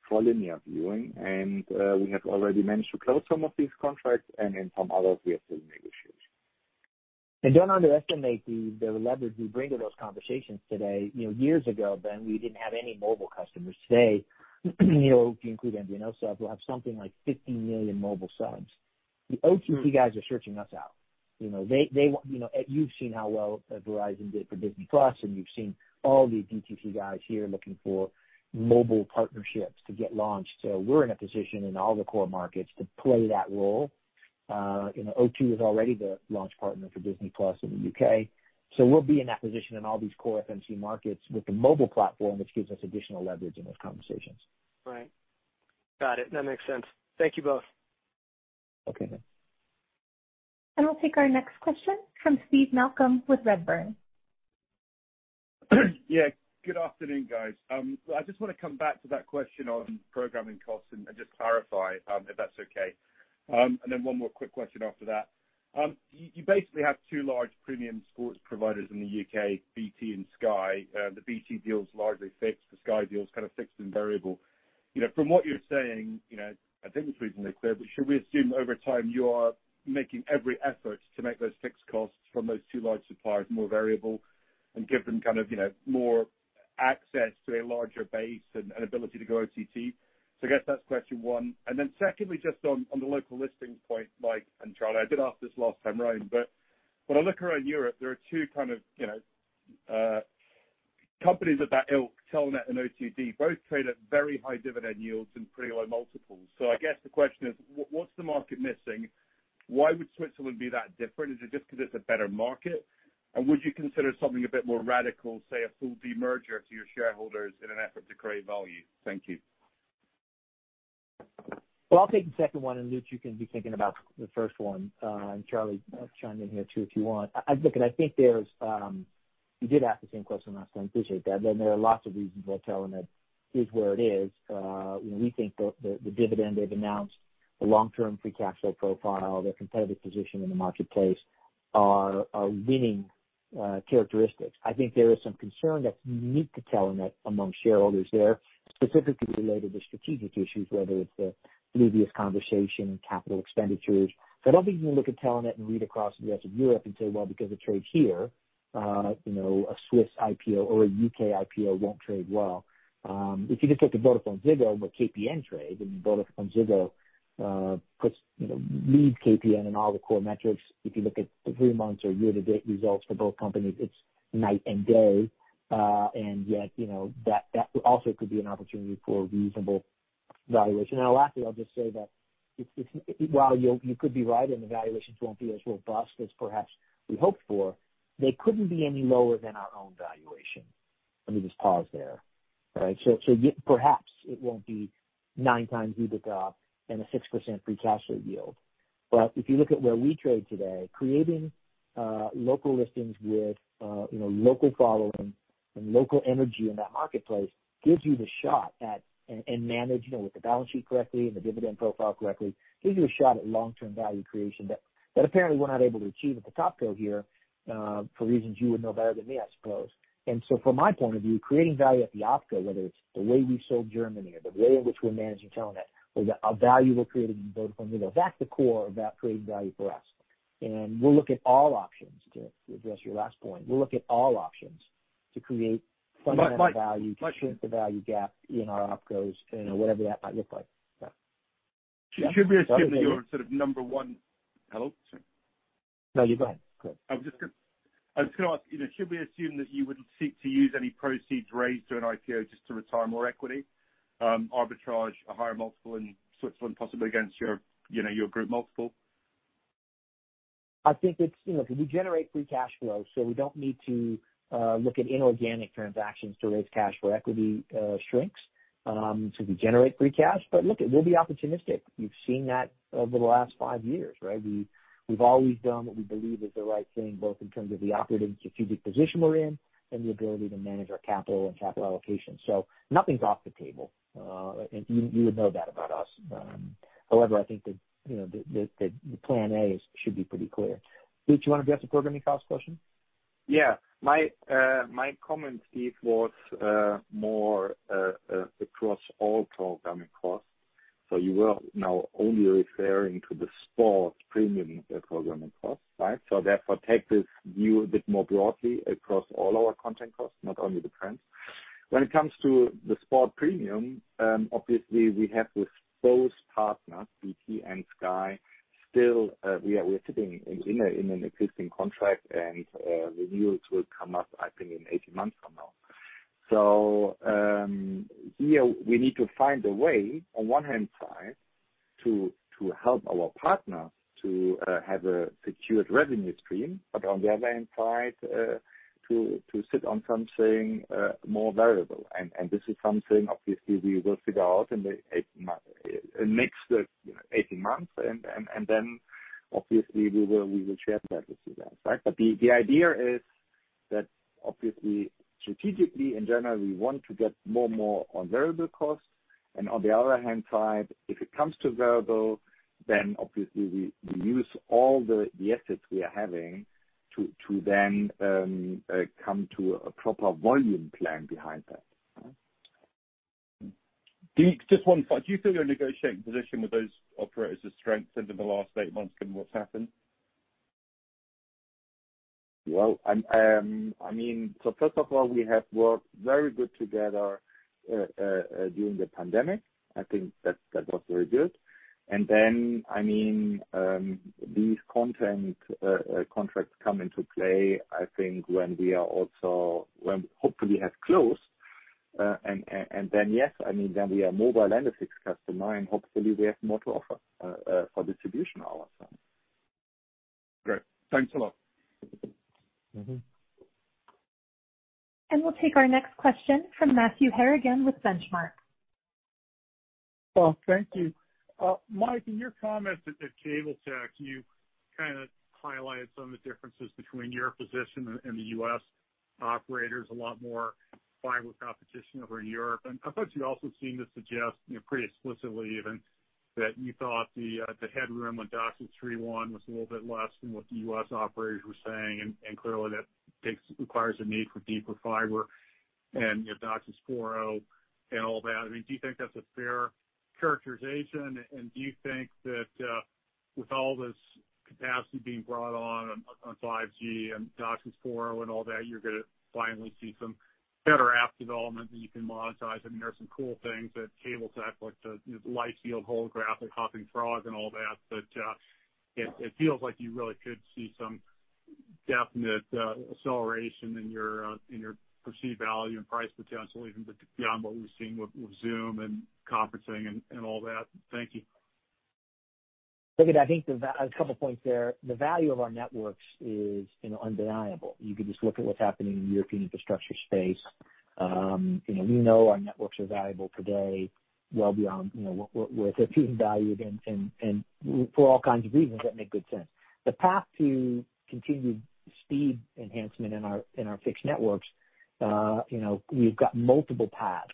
for linear viewing, and we have already managed to close some of these contracts, and in some others, we are still in negotiation. And don't underestimate the leverage we bring to those conversations today. Years ago, Ben, we didn't have any mobile customers. Today, if you include MVNO Subs, we'll have something like 50 million mobile subs. The OTT guys are searching us out. You've seen how well Horizon did for Disney+, and you've seen all the DTC guys here looking for mobile partnerships to get launched. So we're in a position in all the core markets to play that role. O2 is already the launch partner for Disney+ in the U.K. So we'll be in that position in all these core FMC markets with the mobile platform, which gives us additional leverage in those conversations. Right. Got it. That makes sense. Thank you both. Okay. And we'll take our next question from Steve Malcolm with Redburn. Yeah. Good afternoon, guys. I just want to come back to that question on programming costs and just clarify if that's okay. And then one more quick question after that. You basically have two large premium sports providers in the UK, BT and Sky. The BT deal's largely fixed. The Sky deal's kind of fixed and variable. From what you're saying, I think it's reasonably clear, but should we assume that over time you are making every effort to make those fixed costs from those two large suppliers more variable and give them kind of more access to a larger base and ability to go OTT? So I guess that's question one. And then secondly, just on the local listings point, Mike and Charlie, I did ask this last time, right, but when I look around Europe, there are two kind of companies of that ilk, Telenet and O2, both traded at very high dividend yields and pretty low multiples. So I guess the question is, what's the market missing? Why would Switzerland be that different? Is it just because it's a better market? And would you consider something a bit more radical, say a full demerger to your shareholders in an effort to create value? Thank you. Well, I'll take the second one, and Lutz, you can be thinking about the first one. And Charlie will chime in here too if you want. Look, I think there is. You did ask the same question last time. Appreciate that. There are lots of reasons why Telenet is where it is. We think the dividend they've announced, the long-term free cash flow profile, their competitive position in the marketplace are winning characteristics. I think there is some concern that's unique to Telenet among shareholders there, specifically related to strategic issues, whether it's the previous conversation and capital expenditures. So I don't think you can look at Telenet and read across the rest of Europe and say, "Well, because it trades here, a Swiss IPO or a UK IPO won't trade well." If you just look at VodafoneZiggo and what KPN trades, and VodafoneZiggo leads KPN in all the core metrics. If you look at the three-month or year-to-date results for both companies, it's night and day. And yet that also could be an opportunity for reasonable valuation. And lastly, I'll just say that while you could be right and the valuations won't be as robust as perhaps we hoped for, they couldn't be any lower than our own valuation. Let me just pause there. Right? So perhaps it won't be nine times EBITDA and a 6% free cash flow yield. But if you look at where we trade today, creating local listings with local following and local energy in that marketplace gives you the shot at and manage with the balance sheet correctly and the dividend profile correctly, gives you a shot at long-term value creation that apparently we're not able to achieve at the HoldCo for reasons you would know better than me, I suppose. And so from my point of view, creating value at the OpCo, whether it's the way we sold Germany or the way in which we're managing Telenet or the value we're creating in VodafoneZiggo, that's the core of that creating value for us. And we'll look at all options to address your last point. We'll look at all options to create fundamental value, to shrink the value gap in our OpCos, whatever that might look like. Should we assume that you're sort of number one? Hello? Sorry. No, you go ahead. Go ahead. I was just going to ask, should we assume that you would seek to use any proceeds raised through an IPO just to retire more equity, arbitrage a higher multiple in Switzerland, possibly against your group multiple? I think it's because we generate free cash flow, so we don't need to look at inorganic transactions to raise cash for equity shrinks since we generate free cash. But look, we'll be opportunistic. You've seen that over the last five years, right? We've always done what we believe is the right thing, both in terms of the operating strategic position we're in and the ability to manage our capital and capital allocation. So nothing's off the table. You would know that about us. However, I think that the plan A should be pretty clear. Lutz, you want to address the programming cost question? Yeah. My comment, Steve, was more across all programming costs. So you were now only referring to the sports premium programming cost, right? So therefore, take this view a bit more broadly across all our content costs, not only the premium. When it comes to the sports premium, obviously, we have with both partners, BT and Sky, still we are sitting in an existing contract, and renewals will come up, I think, in 18 months from now. So here, we need to find a way, on one hand side, to help our partners to have a secured revenue stream, but on the other hand side, to sit on something more variable. And this is something, obviously, we will figure out in the next 18 months, and then obviously, we will share that with you guys, right? But the idea is that obviously, strategically, in general, we want to get more and more on variable cost. And on the other hand side, if it comes to variable, then obviously, we use all the assets we are having to then come to a proper volume plan behind that. Just one final thought. Do you feel you're in a negotiating position with those operators' strengths in the last eight months given what's happened? Well, I mean, so first of all, we have worked very good together during the pandemic. I think that was very good. And then, I mean, these content contracts come into play, I think, when we are also when hopefully have closed. And then yes, I mean, then we are mobile and a fixed customer, and hopefully, we have more to offer for distribution ourselves. Great. Thanks a lot. And we'll take our next question from Matthew Harrigan with Benchmark. Oh, thank you. Mike, in your comments at Cable-Tec, you kind of highlighted some of the differences between your position and the U.S. operators, a lot more fiber competition over in Europe, and I thought you also seemed to suggest pretty explicitly even that you thought the headroom on DOCSIS 3.1 was a little bit less than what the U.S. operators were saying, and clearly, that requires a need for deeper fiber and DOCSIS 4.0 and all that. I mean, do you think that's a fair characterization? And do you think that with all this capacity being brought on 5G and DOCSIS 4.0 and all that, you're going to finally see some better app development that you can monetize? I mean, there are some cool things at Cable-Tec, like the light field holographic hopping frog and all that, but it feels like you really could see some definite acceleration in your perceived value and price potential, even beyond what we've seen with Zoom and conferencing and all that. Thank you. Look, I think a couple of points there. The value of our networks is undeniable. You could just look at what's happening in the European infrastructure space. We know our networks are valuable today, well beyond where they're being valued, and for all kinds of reasons, that makes good sense. The path to continued speed enhancement in our fixed networks, we've got multiple paths.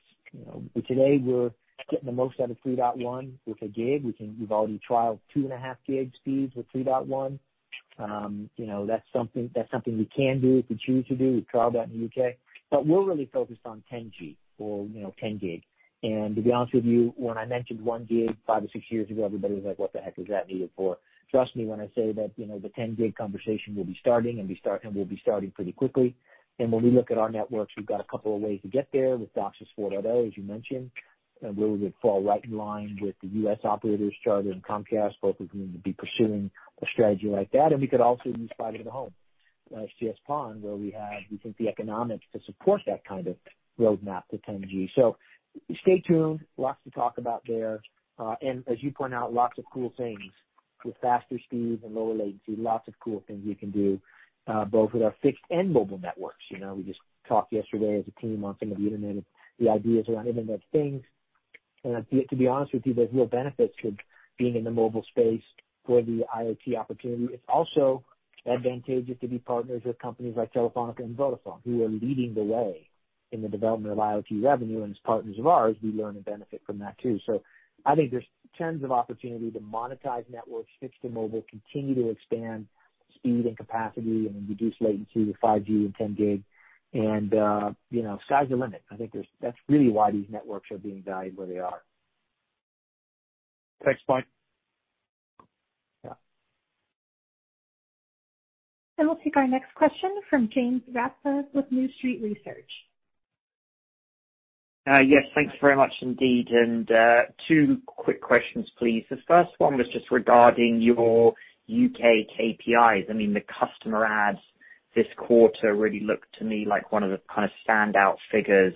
Today, we're getting the most out of 3.1 with a gig. We've already trialed 2.5 gig speeds with 3.1. That's something we can do if we choose to do. We've trialed that in the UK. But we're really focused on 10G or 10 gig. And to be honest with you, when I mentioned 1 gig five or six years ago, everybody was like, "What the heck is that needed for?" Trust me when I say that the 10 gig conversation will be starting, and we'll be starting pretty quickly. And when we look at our networks, we've got a couple of ways to get there with DOCSIS 4.0, as you mentioned, where we would fall right in line with the US operators' Charter and Comcast, both of whom would be pursuing a strategy like that. And we could also use fiber to the home, XGS-PON, where we think the economics to support that kind of roadmap to 10G. So stay tuned. Lots to talk about there. And as you point out, lots of cool things with faster speeds and lower latency, lots of cool things we can do both with our fixed and mobile networks. We just talked yesterday as a team on some of the internet and the ideas around Internet of Things. And to be honest with you, there's real benefits to being in the mobile space for the IoT opportunity. It's also advantageous to be partners with companies like Telefónica and Vodafone who are leading the way in the development of IoT revenue. And as partners of ours, we learn and benefit from that too. So I think there's tons of opportunity to monetize networks, fixed to mobile, continue to expand speed and capacity and reduce latency with 5G and 10 gig. And sky's the limit. I think that's really why these networks are being valued where they are. Thanks, Mike. Yeah. We'll take our next question from James Ratzer with New Street Research. Yes. Thanks very much indeed. Two quick questions, please. The first one was just regarding your UK KPIs. I mean, the customer adds this quarter really looked to me like one of the kind of standout figures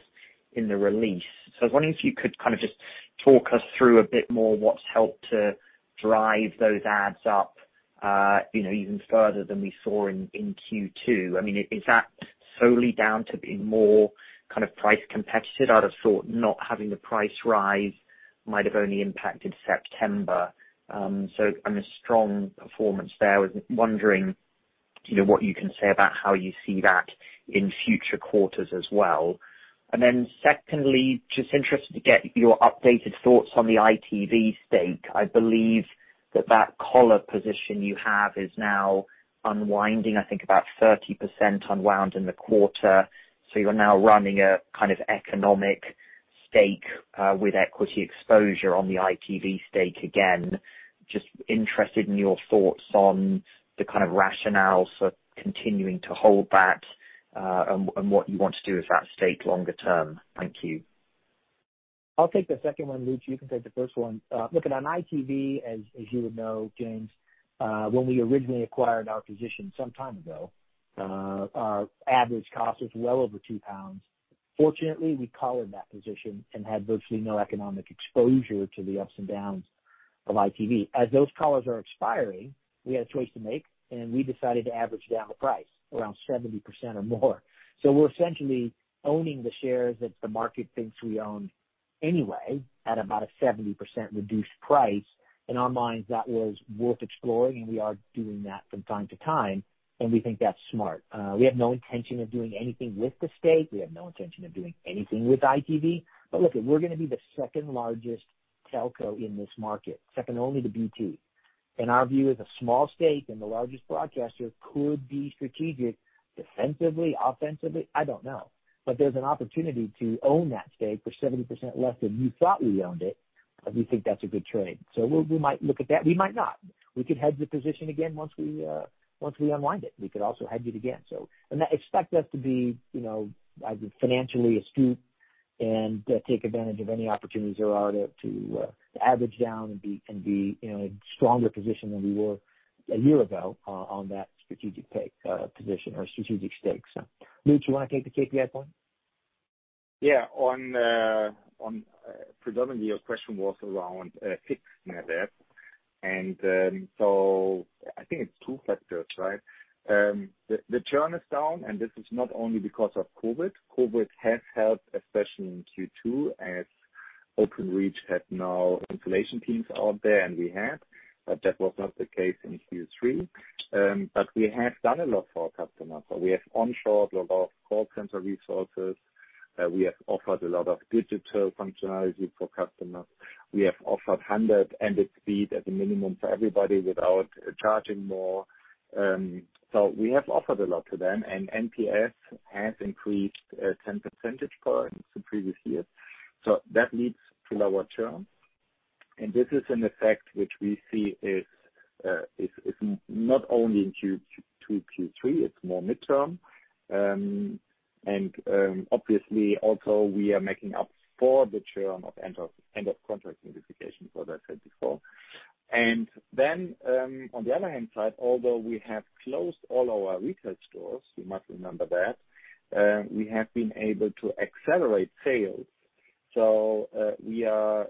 in the release. So I was wondering if you could kind of just talk us through a bit more what's helped to drive those adds up even further than we saw in Q2. I mean, is that solely down to being more kind of price competitive? I'd have thought not having the price rise might have only impacted September. So, a strong performance there. I was wondering what you can say about how you see that in future quarters as well. And then secondly, just interested to get your updated thoughts on the ITV stake. I believe that that collar position you have is now unwinding. I think about 30% unwound in the quarter. So you're now running a kind of economic stake with equity exposure on the ITV stake again. Just interested in your thoughts on the kind of rationale for continuing to hold that and what you want to do with that stake longer term. Thank you. I'll take the second one, Lutz. You can take the first one. Look, on ITV, as you would know, James, when we originally acquired our position some time ago, our average cost was well over 2 pounds. Fortunately, we collared that position and had virtually no economic exposure to the ups and downs of ITV. As those collars are expiring, we had a choice to make, and we decided to average down the price around 70% or more. So we're essentially owning the shares that the market thinks we own anyway at about a 70% reduced price. And in our minds that was worth exploring, and we are doing that from time to time, and we think that's smart. We have no intention of doing anything with the stake. We have no intention of doing anything with ITV. But look, we're going to be the second largest telco in this market, second only to BT. In our view, a small stake in the largest broadcaster could be strategic defensively, offensively. I don't know. But there's an opportunity to own that stake for 70% less than you thought we owned it, and we think that's a good trade. So we might look at that. We might not. We could hedge the position again once we unwind it. We could also hedge it again. So expect us to be financially astute and take advantage of any opportunities there are to average down and be in a stronger position than we were a year ago on that strategic position or strategic stake. So Lutz, you want to take the KPI point? Yeah. Predominantly, your question was around fixed net adds. And so I think it's two factors, right? The churn is down, and this is not only because of COVID. COVID has helped, especially in Q2, as Openreach had no installation teams out there, and we had, but that was not the case in Q3. But we have done a lot for our customers. We have onshored a lot of call center resources. We have offered a lot of digital functionality for customers. We have offered 100 Mbps speed at the minimum for everybody without charging more. So we have offered a lot to them, and NPS has increased 10 percentage points in previous years. So that leads to lower churn. And this is an effect which we see is not only in Q2, Q3. It's more midterm. And obviously, also, we are making up for the churn of End of Contract Notification, as I said before. And then, on the other hand side, although we have closed all our retail stores, you must remember that, we have been able to accelerate sales. So we are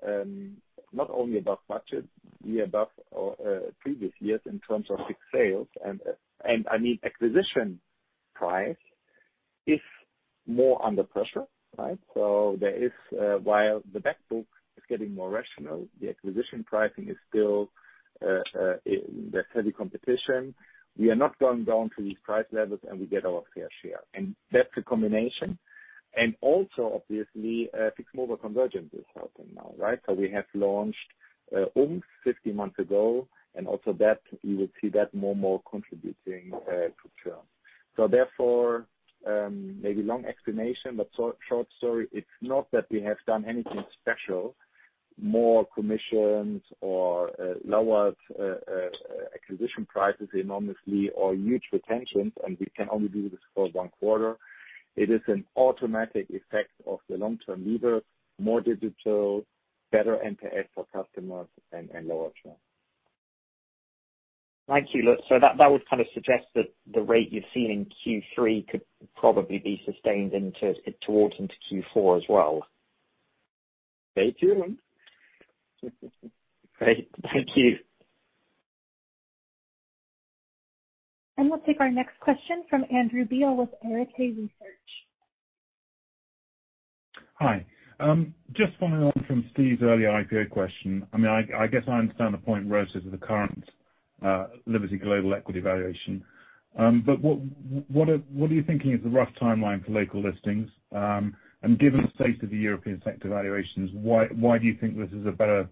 not only above budget. We are above previous years in terms of fixed sales. And I mean, acquisition price is more under pressure, right? So while the back book is getting more rational, the acquisition pricing is still in the heavy competition. We are not going down to these price levels, and we get our fair share. And that's a combination. And also, obviously, fixed mobile convergence is helping now, right? So we have launched Oomph 15 months ago, and also that. You will see that more and more contributing to churn. So therefore, maybe long explanation, but short story, it's not that we have done anything special, more commissions or lowered acquisition prices enormously or huge retentions, and we can only do this for one quarter. It is an automatic effect of the long-term levers, more digital, better NPS for customers, and lower churn. Thank you, Lutz. So that would kind of suggest that the rate you've seen in Q3 could probably be sustained towards into Q4 as well. Thank you. Great. Thank you. And we'll take our next question from Andrew Beale with Arete Research. Hi. Just following on from Steve's earlier IPO question. I mean, I guess I understand the point relative to the current Liberty Global equity valuation. But what are you thinking is the rough timeline for local listings? And given the state of the European sector valuations, why do you think this is a better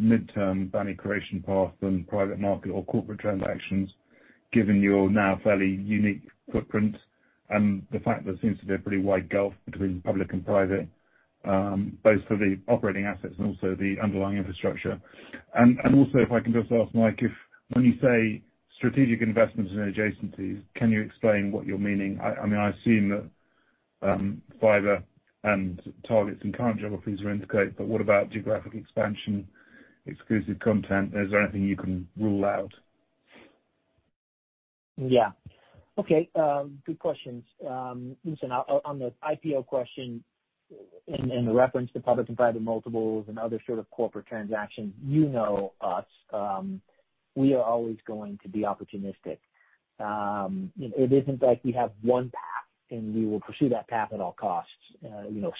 midterm value creation path than private market or corporate transactions, given your now fairly unique footprint and the fact there seems to be a pretty wide gulf between public and private, both for the operating assets and also the underlying infrastructure? And also, if I can just ask, Mike, if when you say strategic investments in adjacencies, can you explain what you're meaning? I mean, I assume that fiber and targets in current geographies are in the state, but what about geographic expansion, exclusive content? Is there anything you can rule out? Yeah. Okay. Good questions. Listen, on the IPO question and the reference to public and private multiples and other sort of corporate transactions, you know us. We are always going to be opportunistic. It isn't like we have one path, and we will pursue that path at all costs,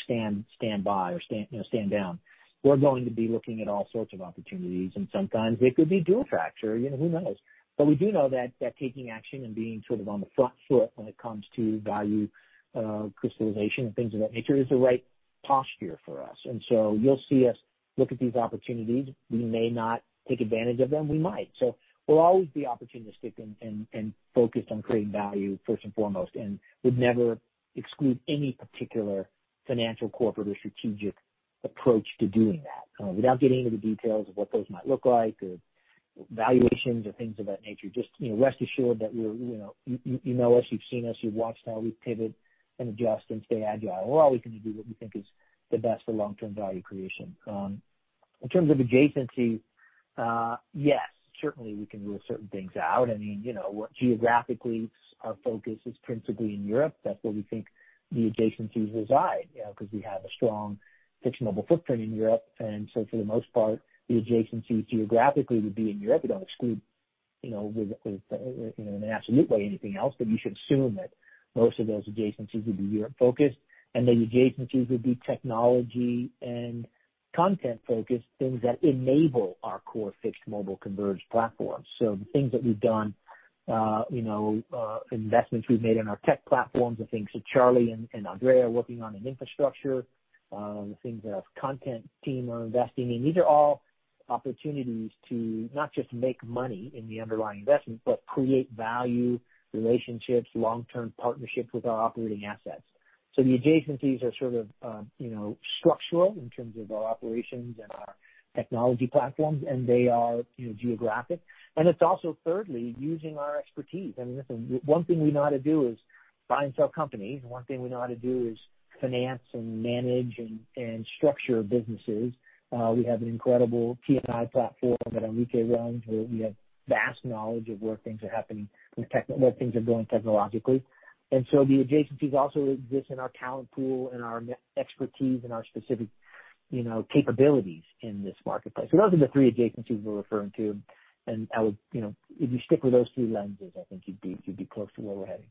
stand by or stand down. We're going to be looking at all sorts of opportunities, and sometimes it could be dual track, so who knows? But we do know that taking action and being sort of on the front foot when it comes to value crystallization and things of that nature is the right posture for us. And so you'll see us look at these opportunities. We may not take advantage of them. We might. So we'll always be opportunistic and focused on creating value first and foremost and would never exclude any particular financial, corporate, or strategic approach to doing that. Without getting into the details of what those might look like or valuations or things of that nature, just rest assured that you know us, you've seen us, you've watched how we pivot and adjust and stay agile. We're always going to do what we think is the best for long-term value creation. In terms of adjacency, yes, certainly we can rule certain things out. I mean, geographically, our focus is principally in Europe. That's where we think the adjacencies reside because we have a strong fixed mobile footprint in Europe. And so for the most part, the adjacencies geographically would be in Europe. We don't exclude in an absolute way anything else, but you should assume that most of those adjacencies would be Europe-focused. And the adjacencies would be technology and content-focused things that enable our core fixed mobile converged platforms. So the things that we've done, investments we've made in our tech platforms, the things that Charlie and Andrea are working on in infrastructure, the things that our content team are investing in. These are all opportunities to not just make money in the underlying investment, but create value, relationships, long-term partnerships with our operating assets. So the adjacencies are sort of structural in terms of our operations and our technology platforms, and they are geographic. And it's also, thirdly, using our expertise. I mean, listen, one thing we know how to do is buy and sell companies. One thing we know how to do is finance and manage and structure businesses. We have an incredible T&I platform that Enrique runs, where we have vast knowledge of where things are happening, where things are going technologically. And so the adjacencies also exist in our talent pool and our expertise and our specific capabilities in this marketplace. So those are the three adjacencies we're referring to. And if you stick with those three lenses, I think you'd be close to where we're heading.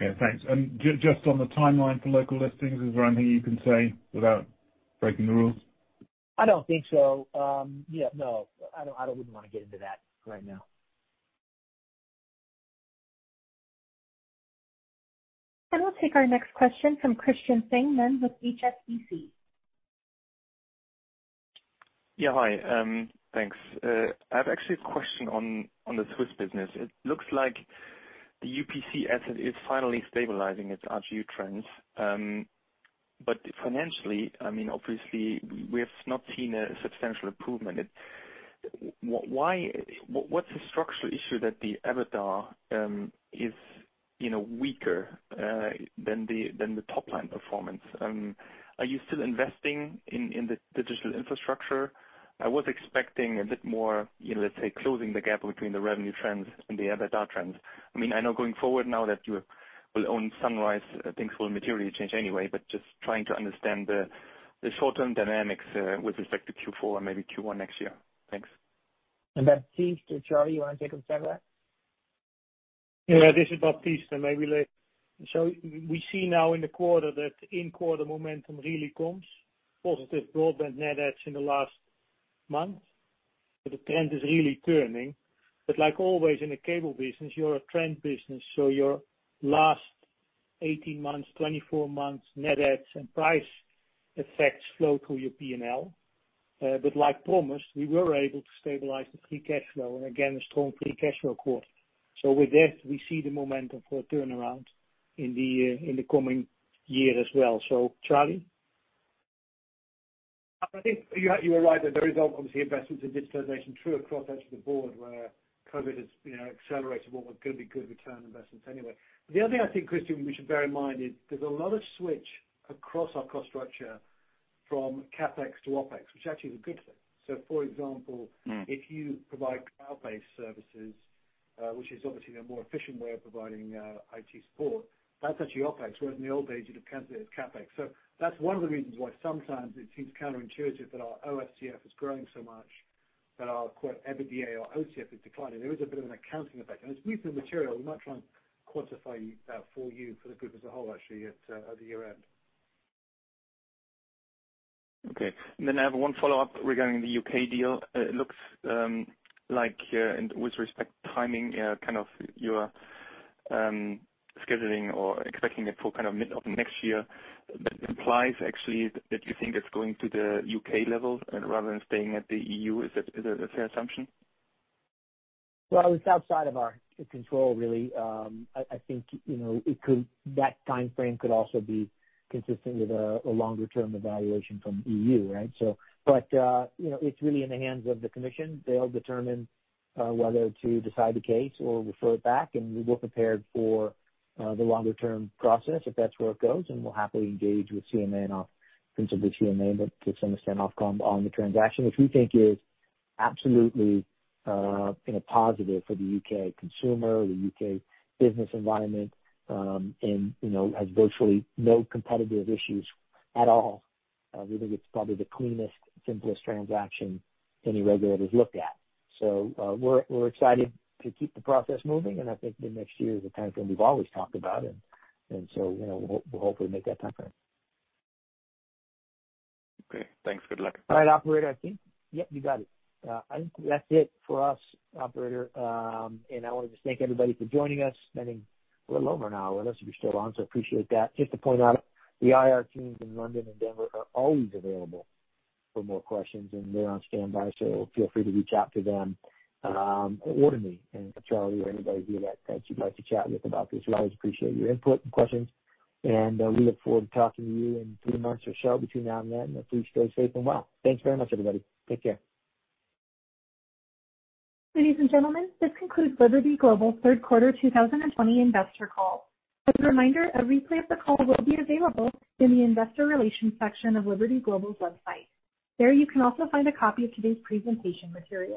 Okay. Thanks. And just on the timeline for local listings, is there anything you can say without breaking the rules? I don't think so. Yeah. No. I wouldn't want to get into that right now. And we'll take our next question from Christian Fangmann with HSBC. Yeah. Hi. Thanks. I have actually a question on the Swiss business. It looks like the UPC asset is finally stabilizing its RGU trends. But financially, I mean, obviously, we have not seen a substantial improvement. What's the structural issue that the EBITDA is weaker than the top-line performance? Are you still investing in the digital infrastructure? I was expecting a bit more, let's say, closing the gap between the revenue trends and the EBITDA trends. I mean, I know going forward now that you will own Sunrise, things will materially change anyway, but just trying to understand the short-term dynamics with respect to Q4 and maybe Q1 next year. Thanks. And Baptiest or Charlie, you want to take a stab at that? Yeah. This is Baptiest. And maybe so we see now in the quarter that in-quarter momentum really comes. Positive broadband net adds in the last month. The trend is really turning. But like always in the cable business, you're a trend business. So your last 18 months, 24 months, net adds and price effects flow through your P&L. But like promised, we were able to stabilize the free cash flow and, again, a strong free cash flow quarter. So with this, we see the momentum for a turnaround in the coming year as well. So Charlie? I think you were right that there is obviously investments in digitalization true across the board where COVID has accelerated what was going to be good return investments anyway. The other thing I think, Christian, we should bear in mind is there's a lot of switch across our cost structure from CapEx to OpEx, which actually is a good thing. So for example, if you provide cloud-based services, which is obviously a more efficient way of providing IT support, that's actually OpEx, whereas in the old days, you'd have canceled it as CapEx. So that's one of the reasons why sometimes it seems counterintuitive that our OFCF is growing so much that our EBITDA or OCF is declining. There is a bit of an accounting effect, and it's recent material. We might try and quantify that for you for the group as a whole, actually, at the year end. Okay. And then I have one follow-up regarding the UK deal. It looks like, with respect to timing, kind of your scheduling or expecting it for kind of mid of next year, that implies actually that you think it's going to the UK level rather than staying at the EU. Is that a fair assumption? Well, it's outside of our control, really. I think that timeframe could also be consistent with a longer-term evaluation from the EU, right? But it's really in the hands of the commission. They'll determine whether to decide the case or refer it back. And we're prepared for the longer-term process if that's where it goes. And we'll happily engage with CMA and principally CMA, but to some extent, Ofcom on the transaction, which we think is absolutely positive for the U.K. consumer, the U.K. business environment, and has virtually no competitive issues at all. We think it's probably the cleanest, simplest transaction any regulator has looked at. So we're excited to keep the process moving. And I think the next year is the timeframe we've always talked about. And so we'll hopefully make that timeframe. Okay. Thanks. Good luck. All right, Operator. I think yep, you got it. I think that's it for us, Operator. And I want to just thank everybody for joining us, spending a little over an hour. I know you're still on, so I appreciate that. Just to point out, the IR teams in London and Denver are always available for more questions. They're on standby, so feel free to reach out to them or to me and Charlie or anybody here that you'd like to chat with about this. We always appreciate your input and questions. We look forward to talking to you in three months or so between now and then. Please stay safe and well. Thanks very much, everybody. Take care. Ladies and gentlemen, this concludes Liberty Global's third quarter 2020 investor call. As a reminder, a replay of the call will be available in the investor relations section of Liberty Global's website. There you can also find a copy of today's presentation material.